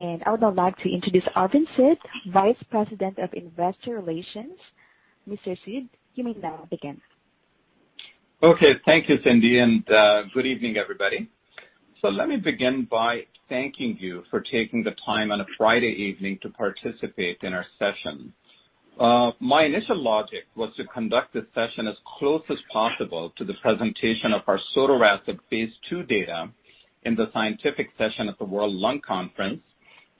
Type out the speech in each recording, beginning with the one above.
I would now like to introduce Arvind Sood, Vice President of Investor Relations. Mr. Sood, you may now begin. Thank you, Cindy, good evening, everybody. Let me begin by thanking you for taking the time on a Friday evening to participate in our session. My initial logic was to conduct this session as close as possible to the presentation of our sotorasib phase II data in the scientific session at the World Conference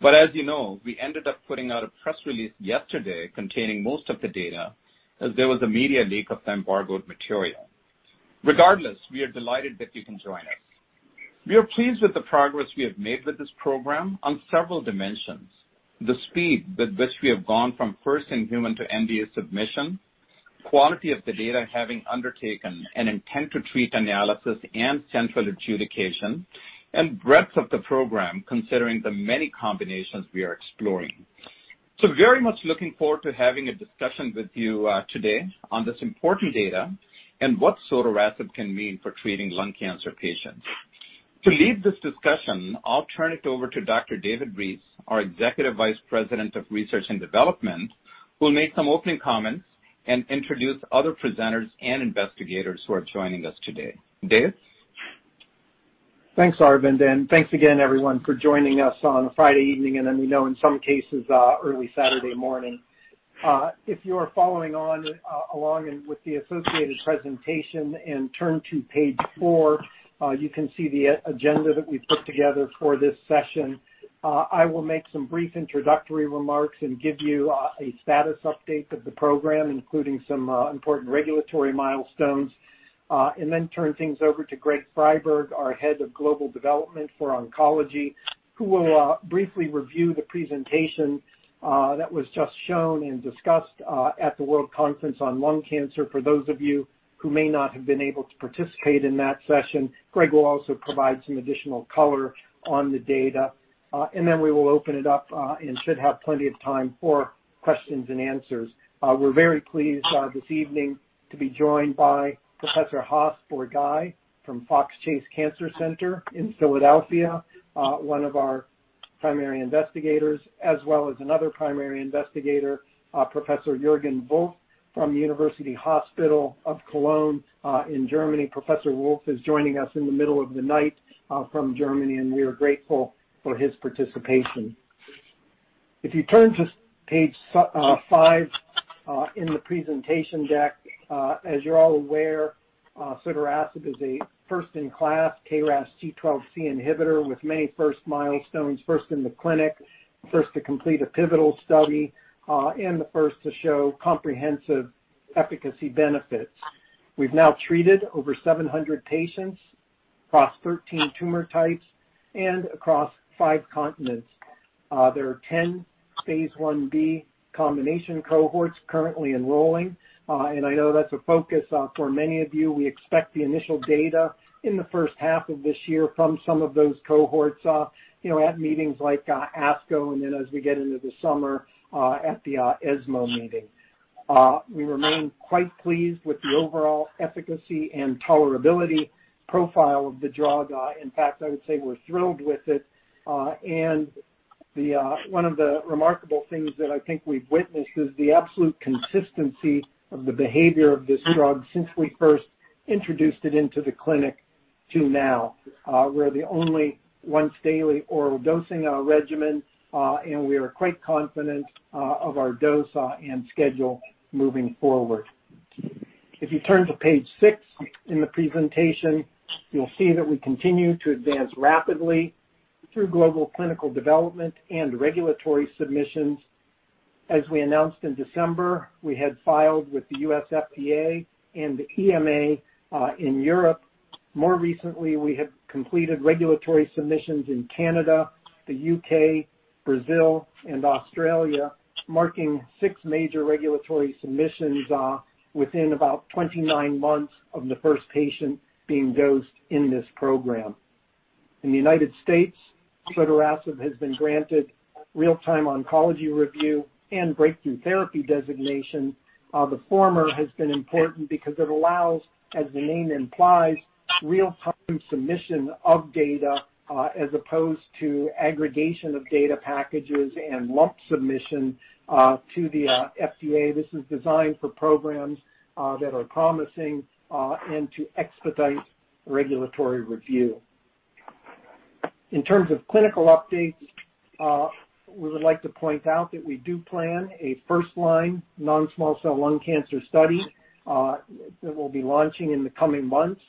on Lung Cancer. As you know, we ended up putting out a press release yesterday containing most of the data, as there was a media leak of the embargoed material. Regardless, we are delighted that you can join us. We are pleased with the progress we have made with this program on several dimensions. The speed with which we have gone from first-in-human to NDA submission, quality of the data having undertaken an intent-to-treat analysis and central adjudication, and breadth of the program, considering the many combinations we are exploring. Very much looking forward to having a discussion with you today on this important data and what sotorasib can mean for treating lung cancer patients. To lead this discussion, I'll turn it over to Dr. David Reese, our Executive Vice President of Research and Development, who will make some opening comments and introduce other presenters and investigators who are joining us today. Dave? Thanks, Arvind, and thanks again, everyone, for joining us on a Friday evening, and then we know in some cases, early Saturday morning. If you're following on along and with the associated presentation and turn to page four, you can see the agenda that we've put together for this session. I will make some brief introductory remarks and give you a status update of the program, including some important regulatory milestones, and then turn things over to Greg Friberg, our Head of Global Development for Oncology, who will briefly review the presentation that was just shown and discussed at the World Conference on Lung Cancer, for those of you who may not have been able to participate in that session. Greg will also provide some additional color on the data. We will open it up, and should have plenty of time for questions and answers. We're very pleased this evening to be joined by Professor Hossein Borghaei from Fox Chase Cancer Center in Philadelphia, one of our primary investigators, as well as another primary investigator, Professor Jürgen Wolf, from University Hospital of Cologne in Germany. Professor Wolf is joining us in the middle of the night from Germany, and we are grateful for his participation. If you turn to page five in the presentation deck, as you're all aware, sotorasib is a first-in-class KRAS G12C inhibitor with many first milestones, first in the clinic, first to complete a pivotal study, and the first to show comprehensive efficacy benefits. We've now treated over 700 patients across 13 tumor types and across five continents. There are 10 phase Ib combination cohorts currently enrolling, and I know that's a focus for many of you. We expect the initial data in the first half of this year from some of those cohorts, at meetings like ASCO, and then as we get into the summer, at the ESMO meeting. We remain quite pleased with the overall efficacy and tolerability profile of the drug. In fact, I would say we're thrilled with it. One of the remarkable things that I think we've witnessed is the absolute consistency of the behavior of this drug since we first introduced it into the clinic to now. We're the only once-daily oral dosing regimen, and we are quite confident of our dose and schedule moving forward. If you turn to page six in the presentation, you'll see that we continue to advance rapidly through global clinical development and regulatory submissions. As we announced in December, we had filed with the U.S. FDA and the EMA in Europe. More recently, we have completed regulatory submissions in Canada, the U.K., Brazil, and Australia, marking six major regulatory submissions within about 29 months of the first patient being dosed in this program. In the United States, sotorasib has been granted real-time oncology review and breakthrough therapy designation. The former has been important because it allows, as the name implies, real-time submission of data as opposed to aggregation of data packages and lump submission to the FDA. This is designed for programs that are promising and to expedite regulatory review. In terms of clinical updates, we would like to point out that we do plan a first-line non-small cell lung cancer study that we'll be launching in the coming months.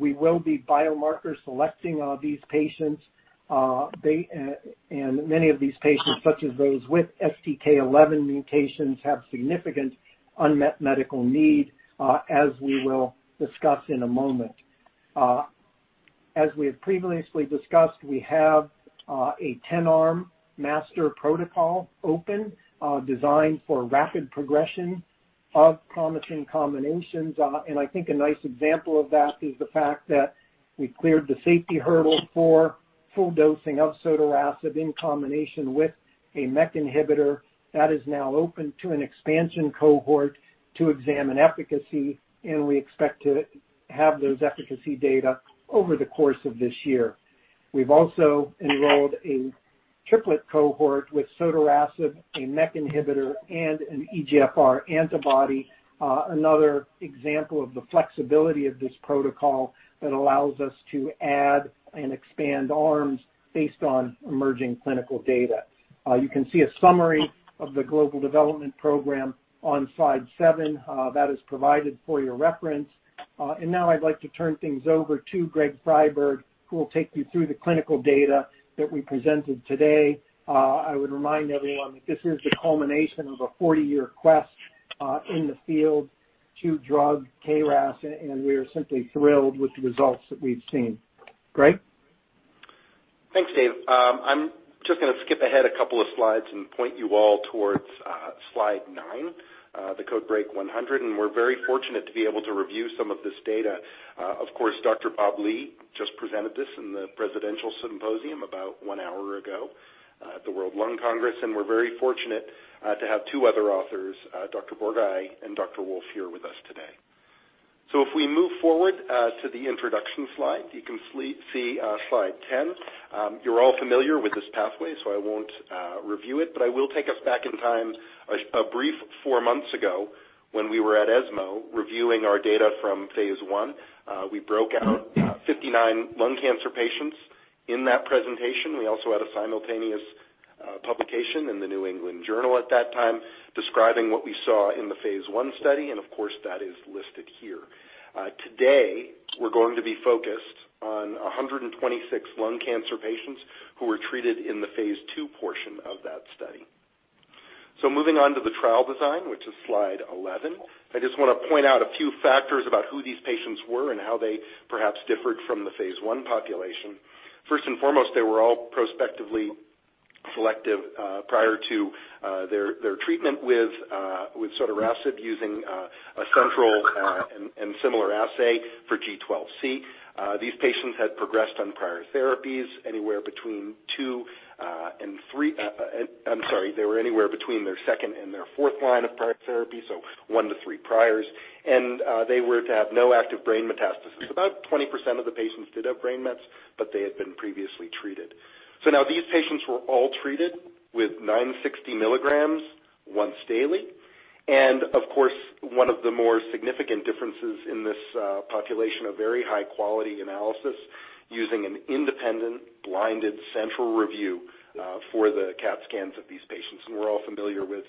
We will be biomarker selecting these patients. Many of these patients, such as those with STK11 mutations, have significant unmet medical need, as we will discuss in a moment. As we have previously discussed, we have a 10-arm master protocol open, designed for rapid progression of promising combinations. I think a nice example of that is the fact that we cleared the safety hurdle for full dosing of sotorasib in combination with a MEK inhibitor. That is now open to an expansion cohort to examine efficacy. We expect to have those efficacy data over the course of this year. We've also enrolled a triplet cohort with sotorasib, a MEK inhibitor, and an EGFR antibody. Another example of the flexibility of this protocol that allows us to add and expand arms based on emerging clinical data. You can see a summary of the global development program on slide seven. That is provided for your reference. Now, I'd like to turn things over to Greg Friberg, who will take you through the clinical data that we presented today. I would remind everyone that this is the culmination of a 40-year quest in the field to drug KRAS, and we are simply thrilled with the results that we've seen. Greg? Thanks, Dave. I'm just going to skip ahead a couple of slides and point you all towards slide nine, the CodeBreaK 100, and we're very fortunate to be able to review some of this data. Of course, Dr. Bob Li just presented this in the presidential symposium about one hour ago at the World Lung Congress, and we're very fortunate to have two other authors, Dr. Borghaei and Dr. Wolf, here with us today. If we move forward to the introduction slide, you can see slide 10. You're all familiar with this pathway, so I won't review it, but I will take us back in time a brief four months ago when we were at ESMO reviewing our data from phase I. We broke out 59 lung cancer patients in that presentation. We also had a simultaneous publication in "The New England Journal" at that time describing what we saw in the phase I study, and of course, that is listed here. Today, we're going to be focused on 126 lung cancer patients who were treated in the phase II portion of that study. Moving on to the trial design, which is slide 11, I just want to point out a few factors about who these patients were and how they perhaps differed from the phase I population. First and foremost, they were all prospectively selected prior to their treatment with sotorasib using a central and similar assay for G12C. These patients had progressed on prior therapies, they were anywhere between their second and their fourth line of prior therapy, so one to three priors. They were to have no active brain metastasis. About 20% of the patients did have brain mets, but they had been previously treated. Now these patients were all treated with 960 milligrams once daily. Of course, one of the more significant differences in this population, a very high-quality analysis using an independent blinded central review for the CAT scans of these patients. We're all familiar with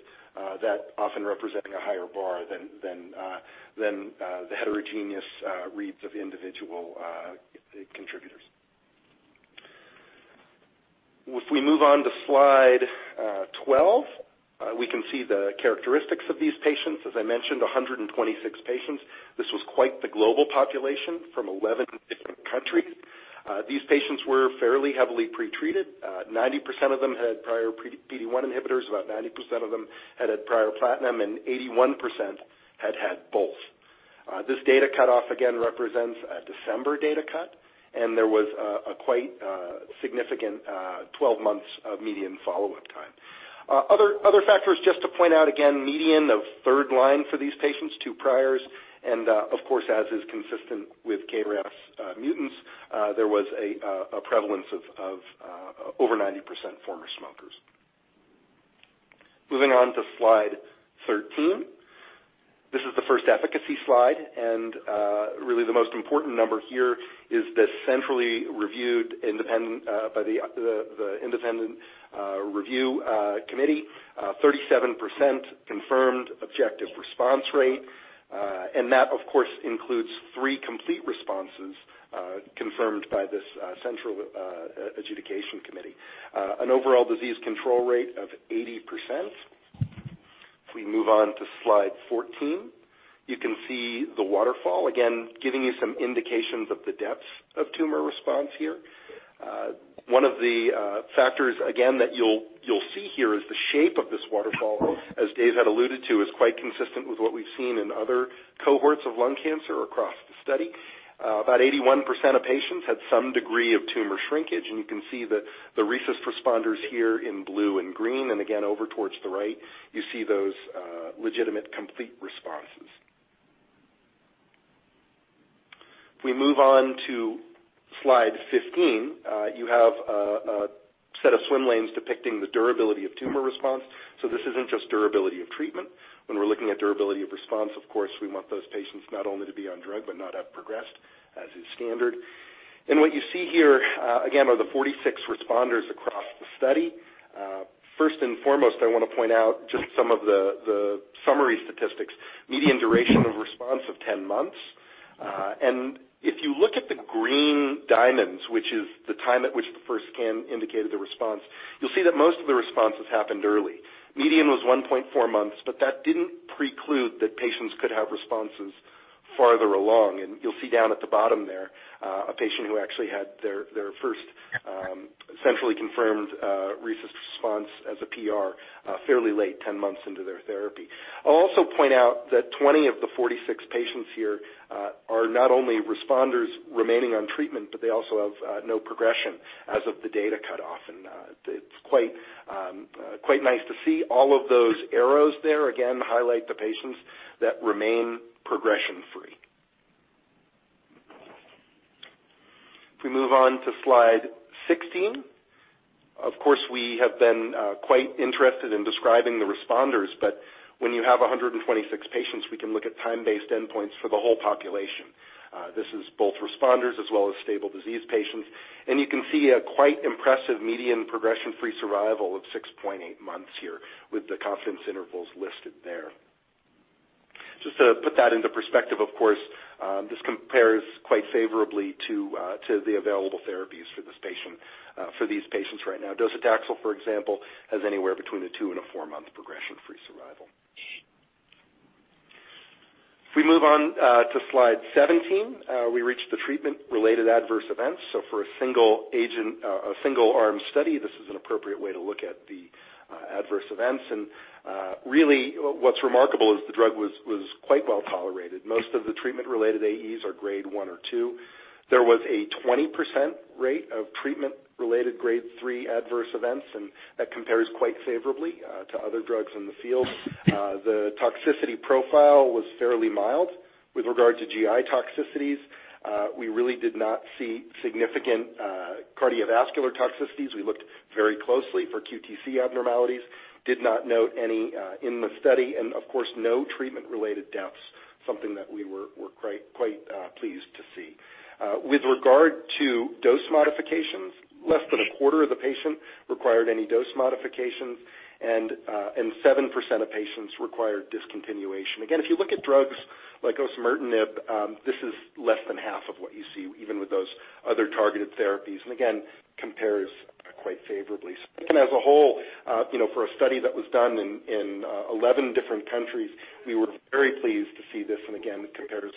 that often representing a higher bar than the heterogeneous reads of individual contributors. If we move on to slide 12, we can see the characteristics of these patients. As I mentioned, 126 patients. This was quite the global population from 11 different countries. These patients were fairly heavily pretreated. 90% of them had prior PD-1 inhibitors, about 90% of them had had prior platinum, and 81% had had both. This data cutoff, again, represents a December data cut, and there was a quite significant 12 months of median follow-up time. Other factors just to point out, again, median of third line for these patients, two priors, and of course, as is consistent with KRAS mutants, there was a prevalence of over 90% former smokers. Moving on to slide 13. This is the first efficacy slide, and really the most important number here is the centrally reviewed by the independent review committee, 37% confirmed objective response rate. That, of course, includes three complete responses confirmed by this central adjudication committee. An overall disease control rate of 80%. If we move on to slide 14, you can see the waterfall. Again, giving you some indications of the depths of tumor response here. One of the factors, again, that you'll see here is the shape of this waterfall, as Dave had alluded to, is quite consistent with what we've seen in other cohorts of lung cancer across the study. About 81% of patients had some degree of tumor shrinkage. You can see the RECIST responders here in blue and green. Again, over towards the right, you see those legitimate complete responses. If we move on to slide 15, you have a set of swim lanes depicting the durability of tumor response. This isn't just durability of treatment. When we're looking at durability of response, of course, we want those patients not only to be on drug, but not have progressed, as is standard. What you see here, again, are the 46 responders across the study. First and foremost, I want to point out just some of the summary statistics. Median duration of response of 10 months. If you look at the green diamonds, which is the time at which the first scan indicated the response, you will see that most of the responses happened early. Median was 1.4 months, but that didn't preclude that patients could have responses farther along. You will see down at the bottom there a patient who actually had their first centrally confirmed RECIST response as a PR fairly late, 10 months into their therapy. I will also point out that 20 of the 46 patients here are not only responders remaining on treatment, but they also have no progression as of the data cutoff. It's quite nice to see all of those arrows there, again, highlight the patients that remain progression free. If we move on to slide 16. We have been quite interested in describing the responders, but when you have 126 patients, we can look at time-based endpoints for the whole population. This is both responders as well as stable disease patients. You can see a quite impressive median progression-free survival of 6.8 months here with the confidence intervals listed there. Just to put that into perspective, of course, this compares quite favorably to the available therapies for these patients right now. Docetaxel, for example, has anywhere between a two and a four-month progression-free survival. If we move on to slide 17, we reach the treatment-related adverse events. For a single agent, a single-arm study, this is an appropriate way to look at the adverse events. Really what's remarkable is the drug was quite well-tolerated. Most of the treatment-related AEs are grade 1 or 2. There was a 20% rate of treatment-related grade 3 adverse events. That compares quite favorably to other drugs in the field. The toxicity profile was fairly mild with regard to GI toxicities. We really did not see significant cardiovascular toxicities. We looked very closely for QTc abnormalities, did not note any in the study. Of course, no treatment-related deaths, something that we were quite pleased to see. With regard to dose modifications, less than a quarter of the patients required any dose modifications and 7% of patients required discontinuation. Again, if you look at drugs like osimertinib, this is less than half of what you see, even with those other targeted therapies. Again, compares quite favorably. I think as a whole, for a study that was done in 11 different countries, we were very pleased to see this, and again, it compares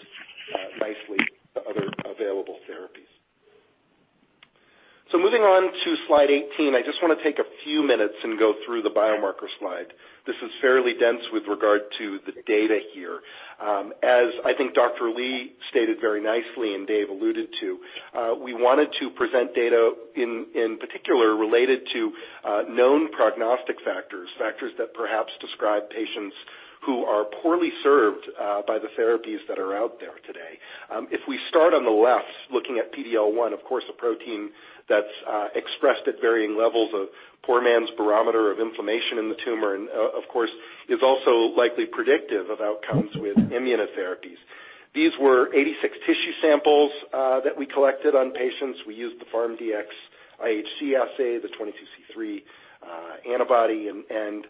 nicely to other available therapies. Moving on to slide 18, I just want to take a few minutes and go through the biomarker slide. This is fairly dense with regard to the data here. As I think Dr. Li stated very nicely and Dave alluded to, we wanted to present data in particular related to known prognostic factors, factors that perhaps describe patients who are poorly served by the therapies that are out there today. If we start on the left, looking at PD-L1, of course, a protein that's expressed at varying levels of poor man's barometer of inflammation in the tumor, and of course, is also likely predictive of outcomes with immunotherapies. These were 86 tissue samples that we collected on patients. We used the pharmDx IHC assay, the 22C3 antibody, and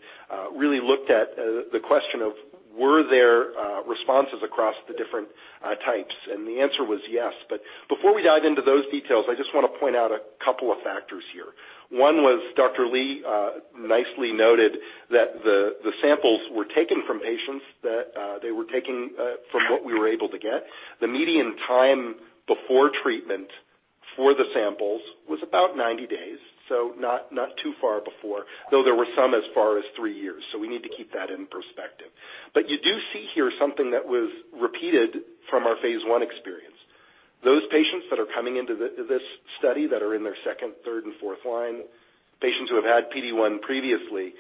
really looked at the question of were there responses across the different types? The answer was yes. Before we dive into those details, I just want to point out a couple of factors here. One was Dr. Li nicely noted that the samples were taken from patients, that they were taken from what we were able to get. The median time before treatment for the samples was about 90 days. Not too far before, though there were some as far as three years. We need to keep that in perspective. You do see here something that was repeated from our phase I experience. Those patients that are coming into this study that are in their second, third, and fourth line, patients who have had PD-1 previously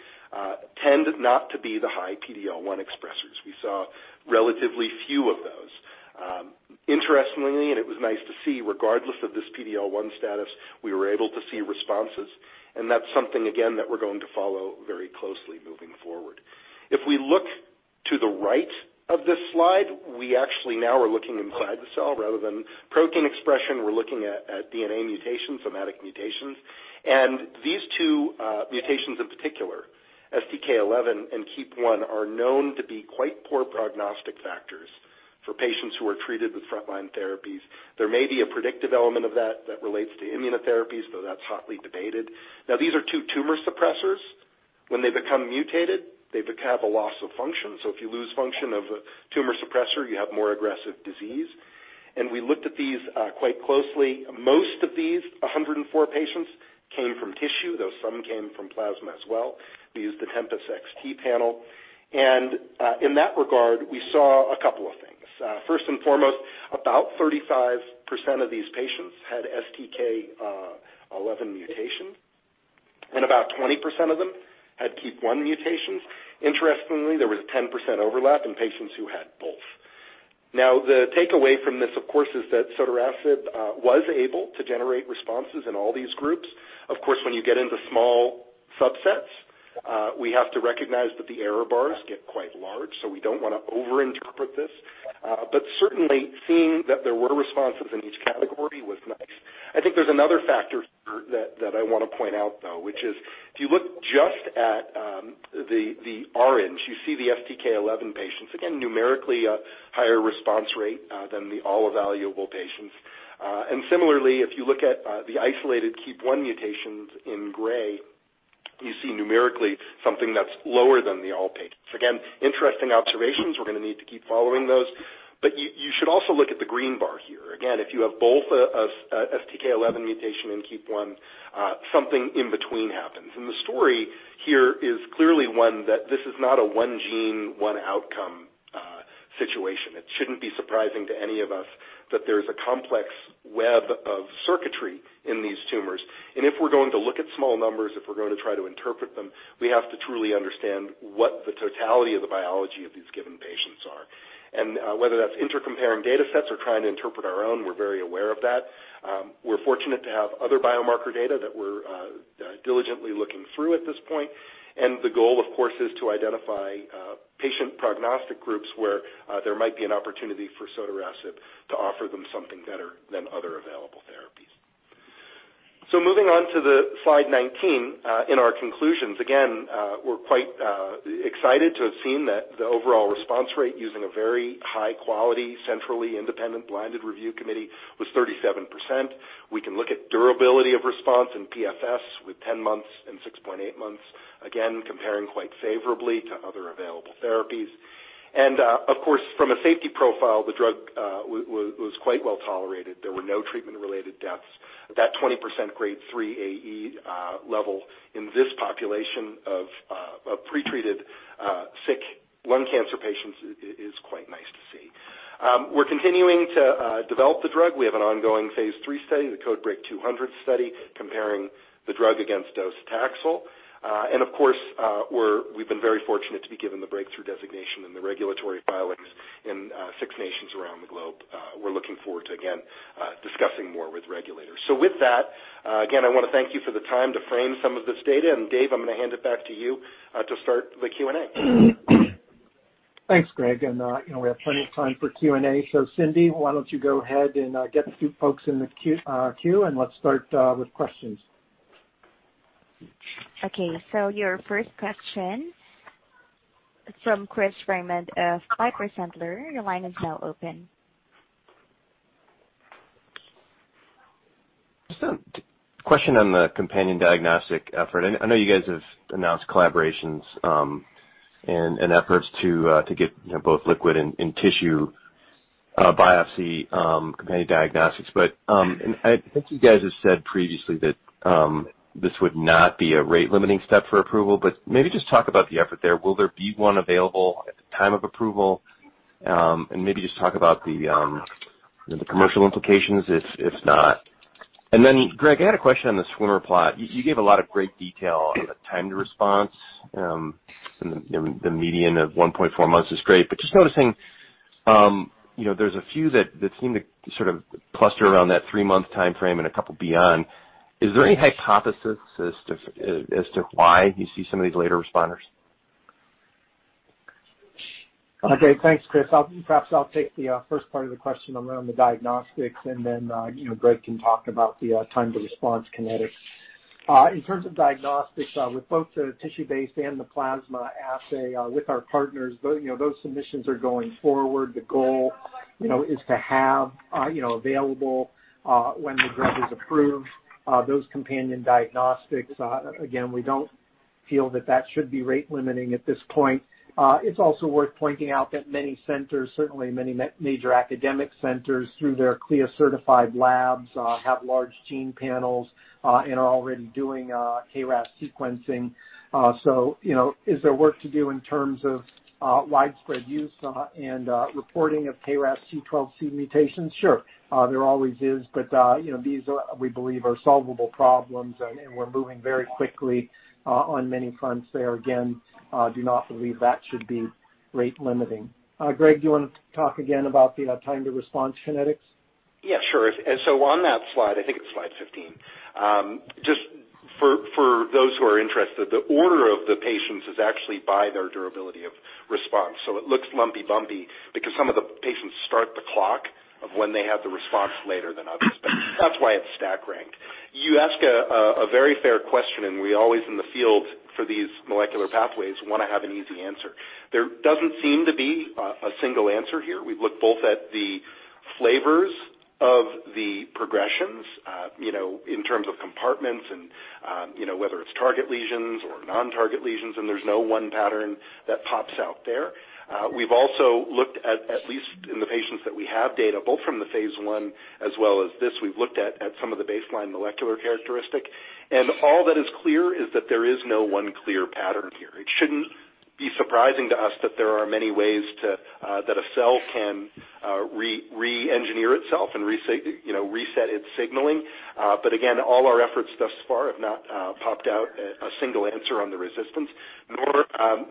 tend not to be the high PD-L1 expressors. We saw relatively few of those. Interestingly, and it was nice to see, regardless of this PD-L1 status, we were able to see responses, and that's something, again, that we're going to follow very closely moving forward. If we look to the right of this slide, we actually now are looking inside the cell rather than protein expression. We're looking at DNA mutations, somatic mutations. These two mutations in particular, STK11 and KEAP1, are known to be quite poor prognostic factors for patients who are treated with frontline therapies. There may be a predictive element of that that relates to immunotherapies, though that's hotly debated. Now, these are two tumor suppressors. When they become mutated, they have a loss of function. If you lose function of a tumor suppressor, you have more aggressive disease. We looked at these quite closely. Most of these, 104 patients, came from tissue, though some came from plasma as well. We used the Tempus xT panel. In that regard, we saw a couple of things. First and foremost, about 35% of these patients had STK11 mutations, and about 20% of them had KEAP1 mutations. Interestingly, there was a 10% overlap in patients who had both. Now, the takeaway from this, of course, is that sotorasib was able to generate responses in all these groups. Of course, when you get into small subsets, we have to recognize that the error bars get quite large, so we don't want to over-interpret this. Certainly, seeing that there were responses in each category was nice. I think there's another factor here that I want to point out, though, which is if you look just at the orange, you see the STK11 patients, again, numerically a higher response rate than the all evaluable patients. Similarly, if you look at the isolated KEAP1 mutations in gray, you see numerically something that's lower than the all patients. Again, interesting observations. We're going to need to keep following those. You should also look at the green bar here. Again, if you have both a STK11 mutation and KEAP1, something in between happens. The story here is clearly one that this is not a one gene, one outcome situation. It shouldn't be surprising to any of us that there's a complex web of circuitry in these tumors, and if we're going to look at small numbers, if we're going to try to interpret them, we have to truly understand what the totality of the biology of these given patients are. Whether that's inter-comparing data sets or trying to interpret our own, we're very aware of that. We're fortunate to have other biomarker data that we're diligently looking through at this point. The goal, of course, is to identify patient prognostic groups where there might be an opportunity for sotorasib to offer them something better than other available therapies. Moving on to slide 19. In our conclusions, again, we're quite excited to have seen that the overall response rate using a very high-quality, centrally independent blinded review committee was 37%. We can look at durability of response and PFS with 10 months and 6.8 months, again, comparing quite favorably to other available therapies. Of course, from a safety profile, the drug was quite well-tolerated. There were no treatment-related deaths. That 20% grade 3 AE level in this population of pre-treated sick lung cancer patients is quite nice to see. We're continuing to develop the drug. We have an ongoing phase III study, the CodeBreaK 200 study, comparing the drug against docetaxel. Of course, we've been very fortunate to be given the breakthrough designation in the regulatory filings in six nations around the globe. We're looking forward to, again, discussing more with regulators. With that, again, I want to thank you for the time to frame some of this data. Dave, I'm going to hand it back to you to start the Q&A. Thanks, Greg. We have plenty of time for Q&A. Cindy, why don't you go ahead and get a few folks in the queue, and let's start with questions. Okay. Your first question from Chris Raymond of Piper Sandler. Your line is now open. Just a question on the companion diagnostic effort. I know you guys have announced collaborations and efforts to get both liquid and tissue biopsy companion diagnostics. I think you guys have said previously that this would not be a rate-limiting step for approval, maybe just talk about the effort there. Will there be one available at the time of approval? Maybe just talk about the commercial implications if not. Greg, I had a question on the swimmer plot. You gave a lot of great detail on the time to response, and the median of 1.4 months is great. Just noticing, there's a few that seem to sort of cluster around that 3-month timeframe and a couple beyond. Is there any hypothesis as to why you see some of these later responders? Okay. Thanks, Chris. Perhaps I'll take the first part of the question around the diagnostics, and then Greg can talk about the time to response kinetics. In terms of diagnostics, with both the tissue-based and the plasma assay with our partners, those submissions are going forward. The goal is to have available when the drug is approved those companion diagnostics. Again, we don't feel that that should be rate-limiting at this point. It's also worth pointing out that many centers, certainly many major academic centers through their CLIA-certified labs have large gene panels and are already doing KRAS sequencing. Is there work to do in terms of widespread use and reporting of KRAS G12C mutations? Sure. There always is, but these we believe are solvable problems, and we're moving very quickly on many fronts there. Again, do not believe that should be rate-limiting. Greg, do you want to talk again about the time to response kinetics? Yeah, sure. On that slide, I think it's slide 15. Just for those who are interested, the order of the patients is actually by their durability of response. It looks lumpy bumpy because some of the patients start the clock of when they have the response later than others, but that's why it's stack ranked. You ask a very fair question, we always in the field for these molecular pathways want to have an easy answer. There doesn't seem to be a single answer here. We've looked both at the flavors of the progressions in terms of compartments and whether it's target lesions or non-target lesions, there's no one pattern that pops out there. We've also looked at least in the patients that we have data, both from the phase I as well as this. We've looked at some of the baseline molecular characteristic. All that is clear is that there is no one clear pattern here. It shouldn't be surprising to us that there are many ways that a cell can re-engineer itself and reset its signaling. Again, all our efforts thus far have not popped out a single answer on the resistance,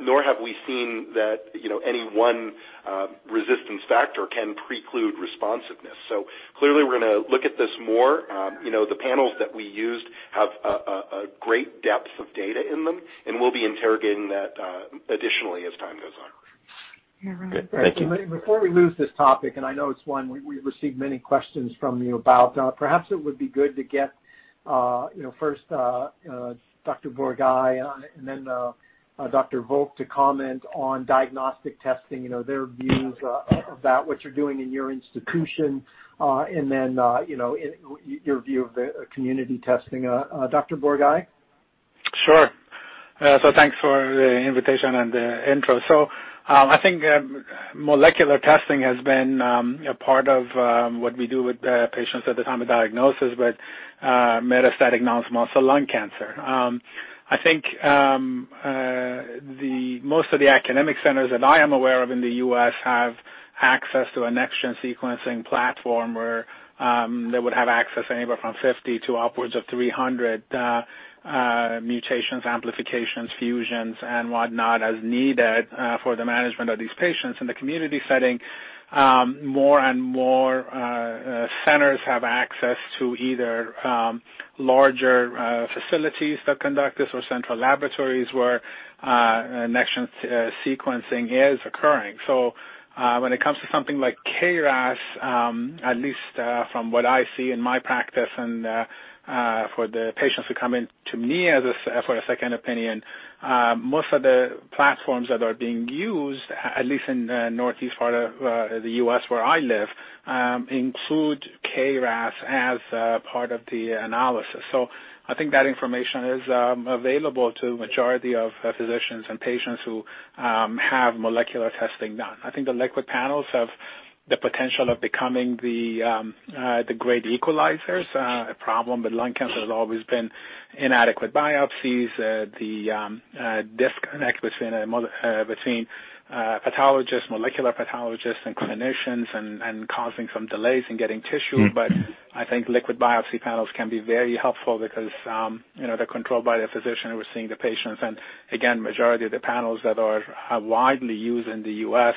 nor have we seen that any one resistance factor can preclude responsiveness. Clearly we're going to look at this more. The panels that we used have a great depth of data in them, and we'll be interrogating that additionally as time goes on. Great. Thank you. Before we lose this topic, I know it's one we've received many questions from you about, perhaps it would be good to get first Dr. Borghaei and then Dr. Wolf to comment on diagnostic testing, their views about what you're doing in your institution, and then your view of the community testing. Dr. Borghaei? Sure. Thanks for the invitation and the intro. I think molecular testing has been a part of what we do with patients at the time of diagnosis with metastatic non-small cell lung cancer. I think most of the academic centers that I am aware of in the U.S. have access to a next-gen sequencing platform where they would have access anywhere from 50 to upwards of 300 mutations, amplifications, fusions, and whatnot as needed for the management of these patients. In the community setting, more and more centers have access to either larger facilities that conduct this or central laboratories where next-gen sequencing is occurring. When it comes to something like KRAS, at least from what I see in my practice and for the patients who come in to me for a second opinion, most of the platforms that are being used, at least in the northeast part of the U.S. where I live, include KRAS as part of the analysis. I think that information is available to majority of physicians and patients who have molecular testing done. I think the liquid panels have the potential of becoming the great equalizers. A problem with lung cancer has always been inadequate biopsies, the disconnect between molecular pathologists and clinicians, and causing some delays in getting tissue. I think liquid biopsy panels can be very helpful because they're controlled by the physician who is seeing the patients. Again, majority of the panels that are widely used in the U.S.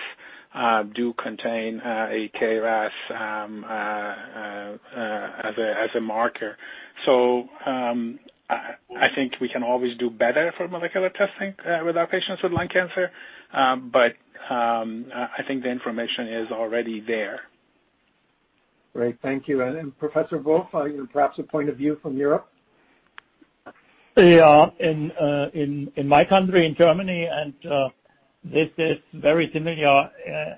do contain a KRAS as a marker. I think we can always do better for molecular testing with our patients with lung cancer, but I think the information is already there. Great. Thank you. Professor Jürgen Wolf, perhaps a point of view from Europe? Yeah. In my country, in Germany, and this is very similar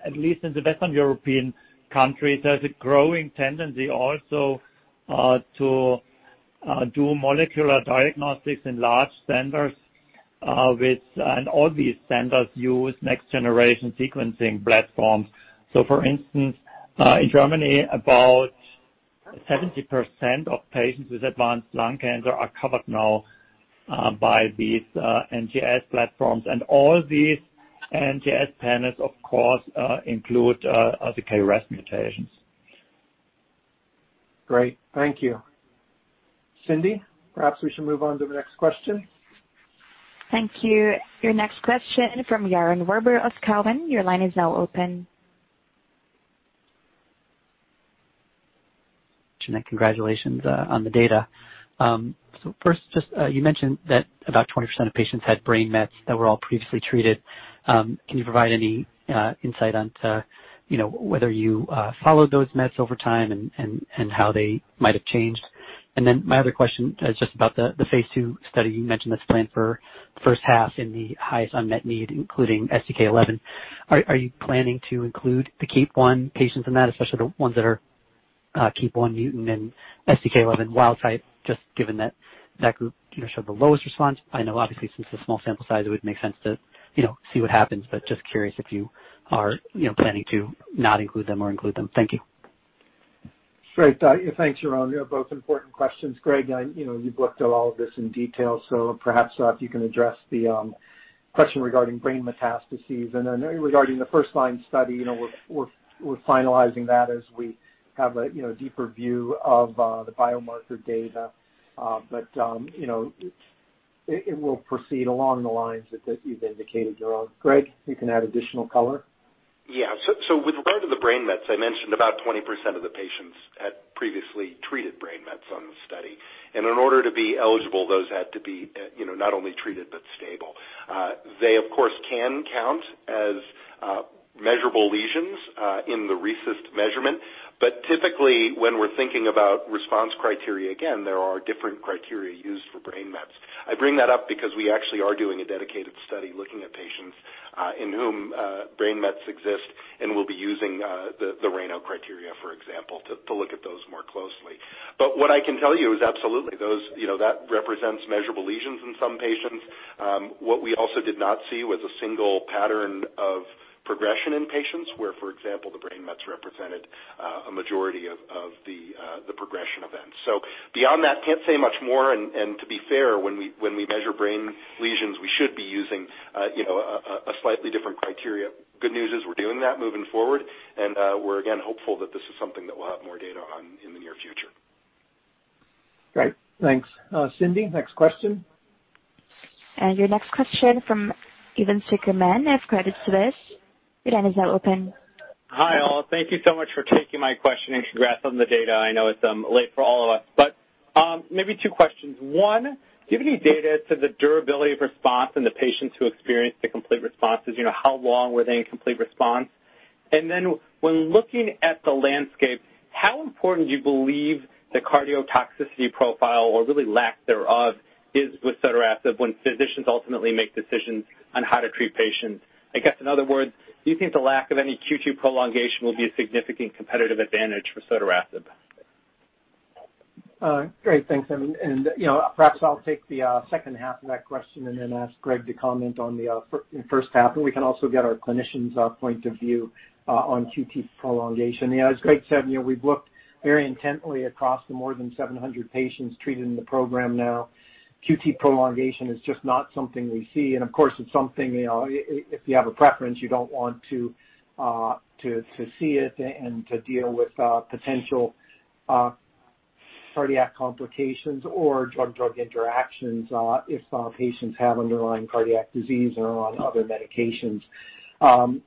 at least in the Western European countries, there's a growing tendency also to do molecular diagnostics in large centers, and all these centers use next generation sequencing platforms. For instance, in Germany, about 70% of patients with advanced lung cancer are covered now by these NGS platforms. All these NGS panels, of course, include the KRAS mutations. Great. Thank you. Cindy, perhaps we should move on to the next question. Thank you. Your next question from Yaron Werber of Cowen. Your line is now open. Jürgen, congratulations on the data. First, you mentioned that about 20% of patients had brain mets that were all previously treated. Can you provide any insight onto whether you followed those mets over time and how they might have changed? and then my other question is just about the phase II study you mentioned that's planned for the first half in the highest unmet need, including STK11. Are you planning to include the KEAP1 patients in that, especially the ones that are KEAP1 mutant and STK11 wild type, just given that that group showed the lowest response? I know obviously since it's a small sample size, it would make sense to see what happens, but just curious if you are planning to not include them or include them. Thank you. Great. Thanks, Yaron. Both important questions. Greg, you've looked at all of this in detail, so perhaps if you can address the question regarding brain metastases. Regarding the first-line study, we're finalizing that as we have a deeper view of the biomarker data. It will proceed along the lines that you've indicated, Yaron. Greg, you can add additional color. Yeah. With regard to the brain mets, I mentioned about 20% of the patients had previously treated brain mets on the study. In order to be eligible, those had to be not only treated, but stable. They, of course, can count as measurable lesions in the RECIST measurement. Typically, when we're thinking about response criteria, again, there are different criteria used for brain mets. I bring that up because we actually are doing a dedicated study looking at patients in whom brain mets exist, and we'll be using the RANO criteria, for example, to look at those more closely. What I can tell you is absolutely, that represents measurable lesions in some patients. What we also did not see was a single pattern of progression in patients where, for example, the brain mets represented a majority of the progression events. Beyond that, can't say much more. To be fair, when we measure brain lesions, we should be using a slightly different criteria. Good news is we're doing that moving forward, and we're again hopeful that this is something that we'll have more data on in the near future. Great. Thanks. Cindy, next question. Your next question from Evan Seigerman of Credit Suisse. Your line is now open. Hi, all. Thank you so much for taking my question and congrats on the data. I know it's late for all of us. Maybe two questions. One, do you have any data to the durability of response in the patients who experienced the complete responses? How long were they in complete response? When looking at the landscape, how important do you believe the cardiotoxicity profile, or really lack thereof, is with sotorasib when physicians ultimately make decisions on how to treat patients? I guess in other words, do you think the lack of any QT prolongation will be a significant competitive advantage for sotorasib? Great, thanks. Perhaps I'll take the second half of that question and then ask Greg to comment on the first half, and we can also get our clinicians' point of view on QT prolongation. Yeah, as Greg said, we've looked very intently across the more than 700 patients treated in the program now. QT prolongation is just not something we see, and of course, it's something if you have a preference, you don't want to see it and to deal with potential cardiac complications or drug-drug interactions if patients have underlying cardiac disease and are on other medications.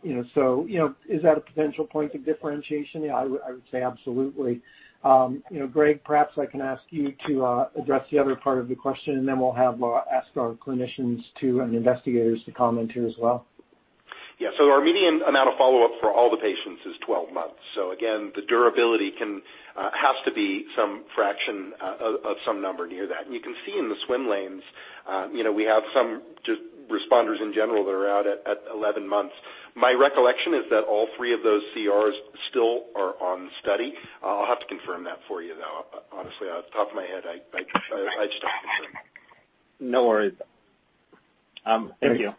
Is that a potential point of differentiation? I would say absolutely. Greg, perhaps I can ask you to address the other part of the question, and then we'll ask our clinicians, too, and investigators to comment here as well. Yeah. Our median amount of follow-up for all the patients is 12 months. Again, the durability has to be some fraction of some number near that. You can see in the swim lanes, we have some responders in general that are out at 11 months. My recollection is that all three of those CRs still are on study. I'll have to confirm that for you, though. Honestly, off the top of my head, I just don't remember. No worries. Thank you.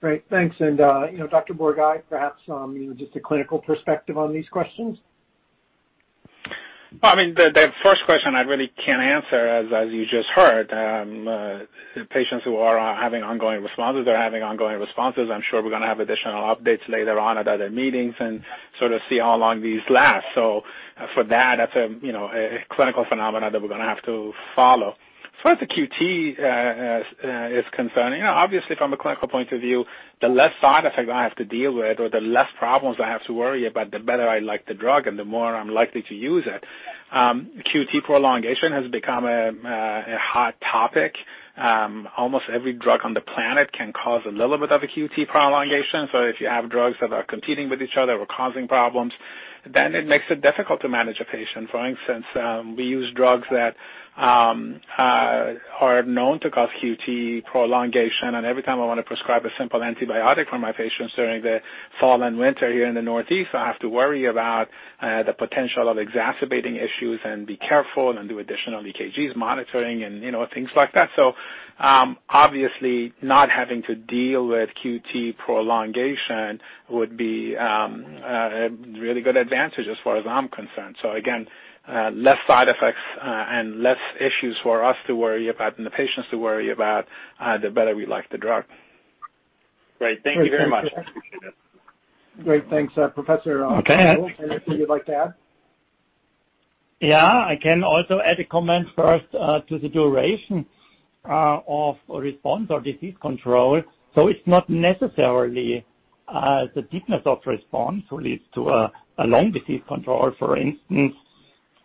Great. Thanks. Dr. Borghaei, perhaps just a clinical perspective on these questions? The first question I really can't answer, as you just heard. Patients who are having ongoing responses, they're having ongoing responses. I'm sure we're going to have additional updates later on at other meetings and sort of see how long these last. For that's a clinical phenomenon that we're going to have to follow. As far as the QT is concerned, obviously from a clinical point of view, the less side effects I have to deal with or the less problems I have to worry about, the better I like the drug and the more I'm likely to use it. QT prolongation has become a hot topic. Almost every drug on the planet can cause a little bit of a QT prolongation, so if you have drugs that are competing with each other or causing problems, then it makes it difficult to manage a patient. For instance, we use drugs that are known to cause QT prolongation. Every time I want to prescribe a simple antibiotic for my patients during the fall and winter here in the Northeast, I have to worry about the potential of exacerbating issues and be careful and do additional EKGs monitoring and things like that. Obviously, not having to deal with QT prolongation would be a really good advantage as far as I'm concerned. Again, less side effects and less issues for us to worry about and the patients to worry about, the better we like the drug. Great. Thank you very much. I appreciate it. Great. Thanks. Professor Wolf, anything you'd like to add? Yeah, I can also add a comment first to the duration of response or disease control. It's not necessarily the deepness of response that leads to a long disease control. For instance,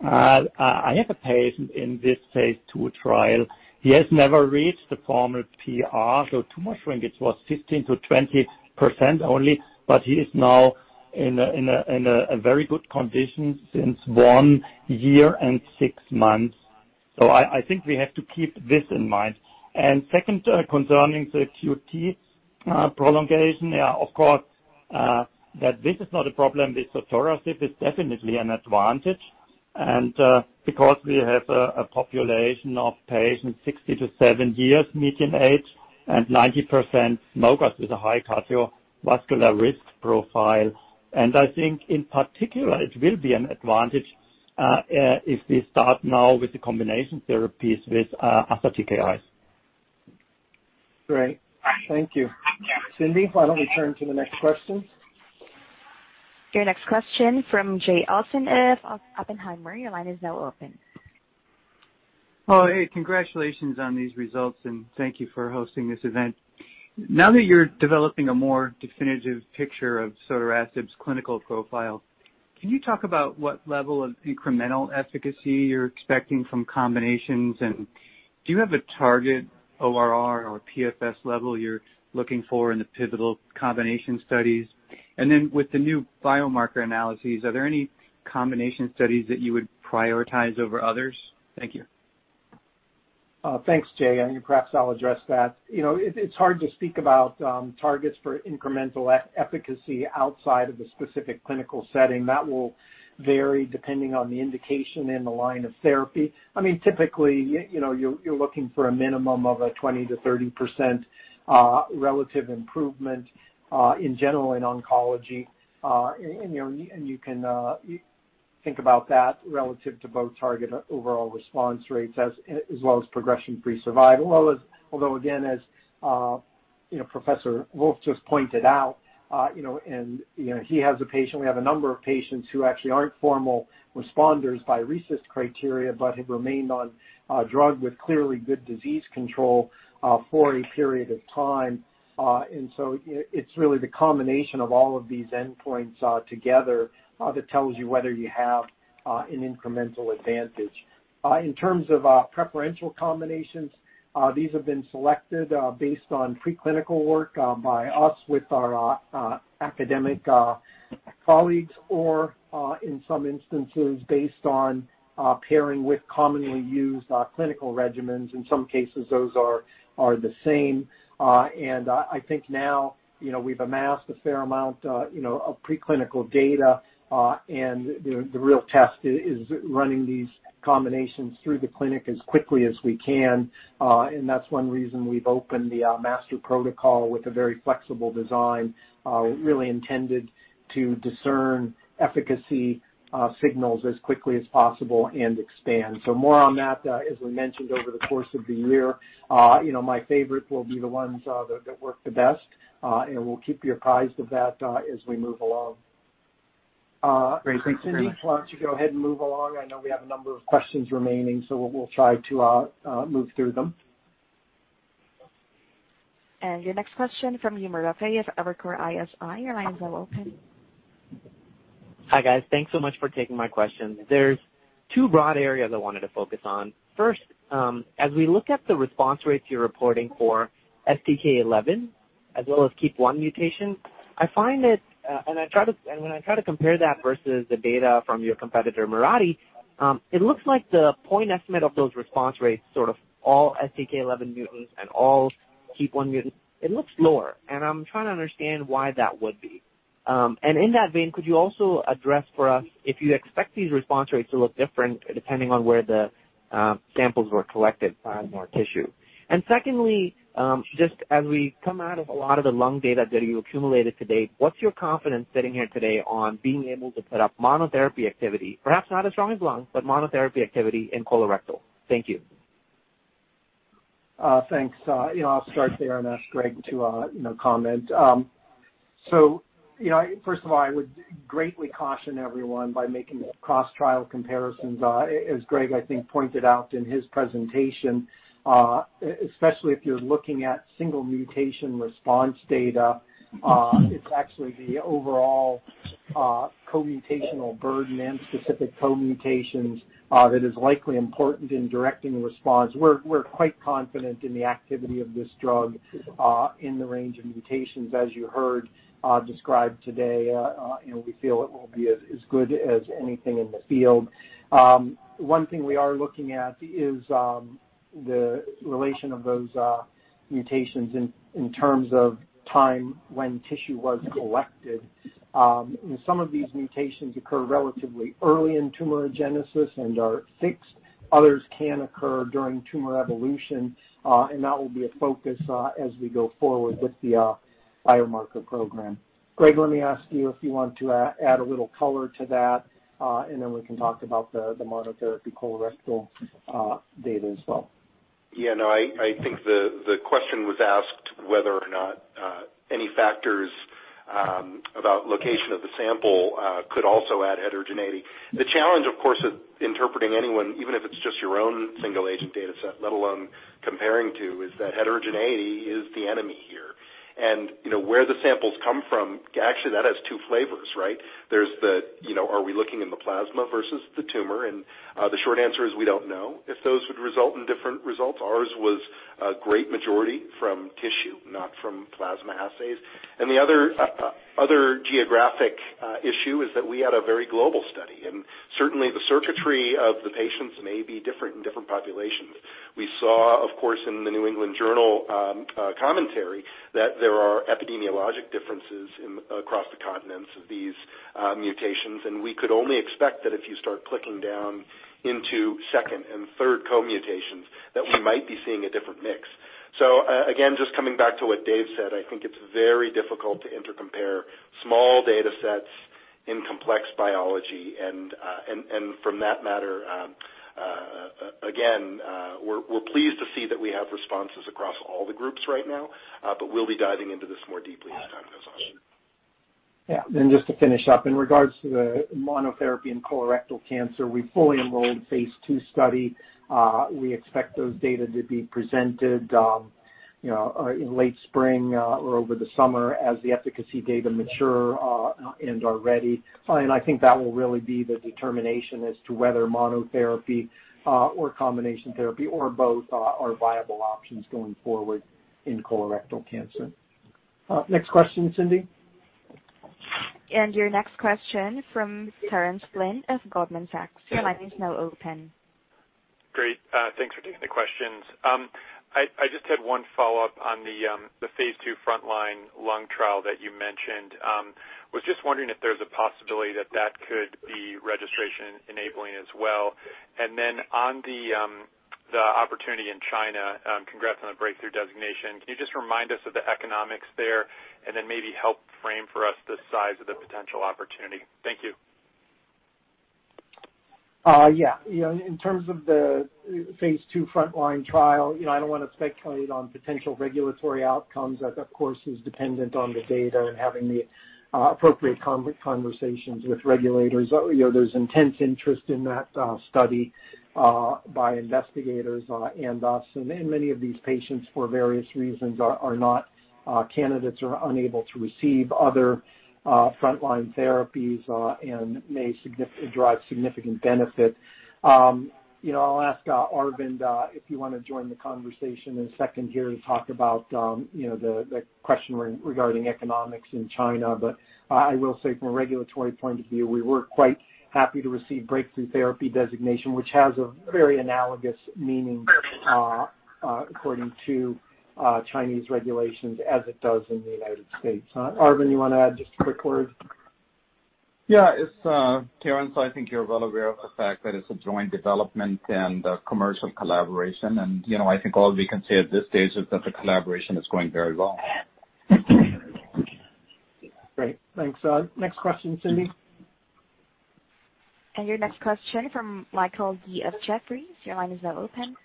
I have a patient in this phase II trial. He has never reached the formal PR, so tumor shrinkage was 15%-20% only, but he is now in a very good condition since one year and six months. I think we have to keep this in mind. Second, concerning the QT prolongation, of course, that this is not a problem with sotorasib is definitely an advantage. Because we have a population of patients 60-70 years median age, and 90% smokers with a high cardiovascular risk profile. I think in particular, it will be an advantage if we start now with the combination therapies with other TKIs. Great. Thank you. Cindy, why don't we turn to the next question? Your next question from Jay Olson of Oppenheimer. Your line is now open. Oh, hey, congratulations on these results, and thank you for hosting this event. Now that you're developing a more definitive picture of sotorasib's clinical profile, can you talk about what level of incremental efficacy you're expecting from combinations? Do you have a target ORR or PFS level you're looking for in the pivotal combination studies? With the new biomarker analyses, are there any combination studies that you would prioritize over others? Thank you. Thanks, Jay. Perhaps I'll address that. You know, it's hard to speak about targets for incremental efficacy outside of the specific clinical setting. That will vary depending on the indication and the line of therapy. I mean typically, you're looking for a minimum of a 20%-30% relative improvement in general in oncology. You can think about that relative to both target overall response rates as well as progression-free survival. Although, again, as Professor Wolf just pointed out, and he has a patient, we have a number of patients who actually aren't formal responders by RECIST criteria, but have remained on a drug with clearly good disease control for a period of time. It's really the combination of all of these endpoints together that tells you whether you have an incremental advantage. In terms of preferential combinations, these have been selected based on preclinical work by us with our academic colleagues or, in some instances, based on pairing with commonly used clinical regimens. In some cases, those are the same. I think now, we've amassed a fair amount of preclinical data, and the real test is running these combinations through the clinic as quickly as we can. That's one reason we've opened the master protocol with a very flexible design, really intended to discern efficacy signals as quickly as possible and expand. More on that as we mentioned over the course of the year. My favorite will be the ones that work the best, and we'll keep you apprised of that as we move along. Great. Thanks very much. Cindy, why don't you go ahead and move along? I know we have a number of questions remaining. We'll try to move through them. Your next question from Umer Raffat, Evercore ISI, your line is now open. Hi, guys. Thanks so much for taking my questions. There's two broad areas I wanted to focus on. First, as we look at the response rates you're reporting for STK11 as well as KEAP1 mutation, and when I try to compare that versus the data from your competitor Mirati, it looks like the point estimate of those response rates, sort of all STK11 mutants and all KEAP1 mutants, it looks lower, and I'm trying to understand why that would be. In that vein, could you also address for us if you expect these response rates to look different depending on where the samples were collected from or tissue? Secondly, just as we come out of a lot of the lung data that you accumulated to date, what's your confidence sitting here today on being able to put up monotherapy activity, perhaps not as strong as lung, but monotherapy activity in colorectal? Thank you. Thanks. I'll start there and ask Greg to comment. First of all, I would greatly caution everyone by making cross-trial comparisons, as Greg, I think, pointed out in his presentation, especially if you're looking at single mutation response data. It's actually the overall co-mutational burden and specific co-mutations that is likely important in directing the response. We're quite confident in the activity of this drug in the range of mutations, as you heard described today. We feel it will be as good as anything in the field. One thing we are looking at is the relation of those mutations in terms of time when tissue was collected. Some of these mutations occur relatively early in tumorigenesis and are fixed. Others can occur during tumor evolution, and that will be a focus as we go forward with the biomarker program. Greg, let me ask you if you want to add a little color to that, and then we can talk about the monotherapy colorectal data as well. Yeah, no, I think the question was asked whether or not any factors about location of the sample could also add heterogeneity. The challenge, of course, is interpreting anyone, even if it's just your own single agent data set, let alone comparing to, is that heterogeneity is the enemy here. Where the samples come from, actually, that has two flavors, right? There's the are we looking in the plasma versus the tumor? The short answer is we don't know if those would result in different results. Ours was a great majority from tissue, not from plasma assays. The other geographic issue is that we had a very global study, and certainly the circuitry of the patients may be different in different populations. We saw, of course, in the New England Journal commentary that there are epidemiologic differences across the continents of these mutations, and we could only expect that if you start clicking down into second and third co-mutations, that we might be seeing a different mix. Again, just coming back to what Dave said, I think it's very difficult to intercompare small data sets in complex biology. From that matter, again, we're pleased to see that we have responses across all the groups right now, but we'll be diving into this more deeply as time goes on. Yeah. Just to finish up, in regards to the monotherapy and colorectal cancer, we fully enrolled phase II study. We expect those data to be presented in late spring or over the summer as the efficacy data mature and are ready. I think that will really be the determination as to whether monotherapy or combination therapy or both are viable options going forward in colorectal cancer. Next question, Cindy. Your next question from Terence Flynn of Goldman Sachs. Your line is now open. Great. Thanks for taking the questions. I just had one follow-up on the phase II frontline lung trial that you mentioned. Was just wondering if there's a possibility that that could be registration enabling as well. Then, on the opportunity in China, congrats on the breakthrough designation. Can you just remind us of the economics there and then maybe help frame for us the size of the potential opportunity? Thank you. Yeah. In terms of the phase II frontline trial, I don't want to speculate on potential regulatory outcomes. That, of course, is dependent on the data and having the appropriate conversations with regulators. There is intense interest in that study by investigators and us. Many of these patients, for various reasons, are not candidates or unable to receive other frontline therapies and may drive significant benefit. I'll ask Arvind if you want to join the conversation in a second here to talk about the question regarding economics in China. I will say from a regulatory point of view, we were quite happy to receive breakthrough therapy designation, which has a very analogous meaning according to Chinese regulations as it does in the United States. Arvind, you want to add just a quick word? Yeah. Terence, I think you're well aware of the fact that it's a joint development and a commercial collaboration, and I think all we can say at this stage is that the collaboration is going very well. Great. Thanks. Next question, Cindy. Your next question from Michael Yee of Jefferies. Your line is now open.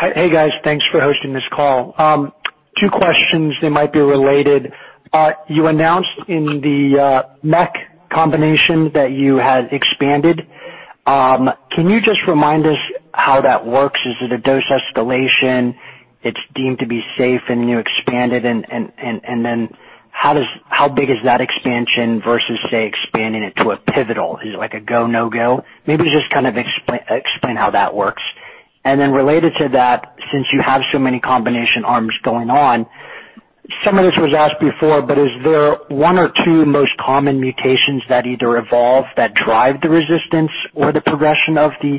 Hey, guys. Thanks for hosting this call. Two questions, they might be related. You announced in the MEK combination that you had expanded. Can you just remind us how that works? Is it a dose escalation, it's deemed to be safe and you expand it, and then how big is that expansion versus, say, expanding it to a pivotal? Is it like a go, no-go? Maybe just kind of explain how that works. Then, related to that, since you have so many combination arms going on, some of this was asked before, but is there one or two most common mutations that either evolve that drive the resistance or the progression of the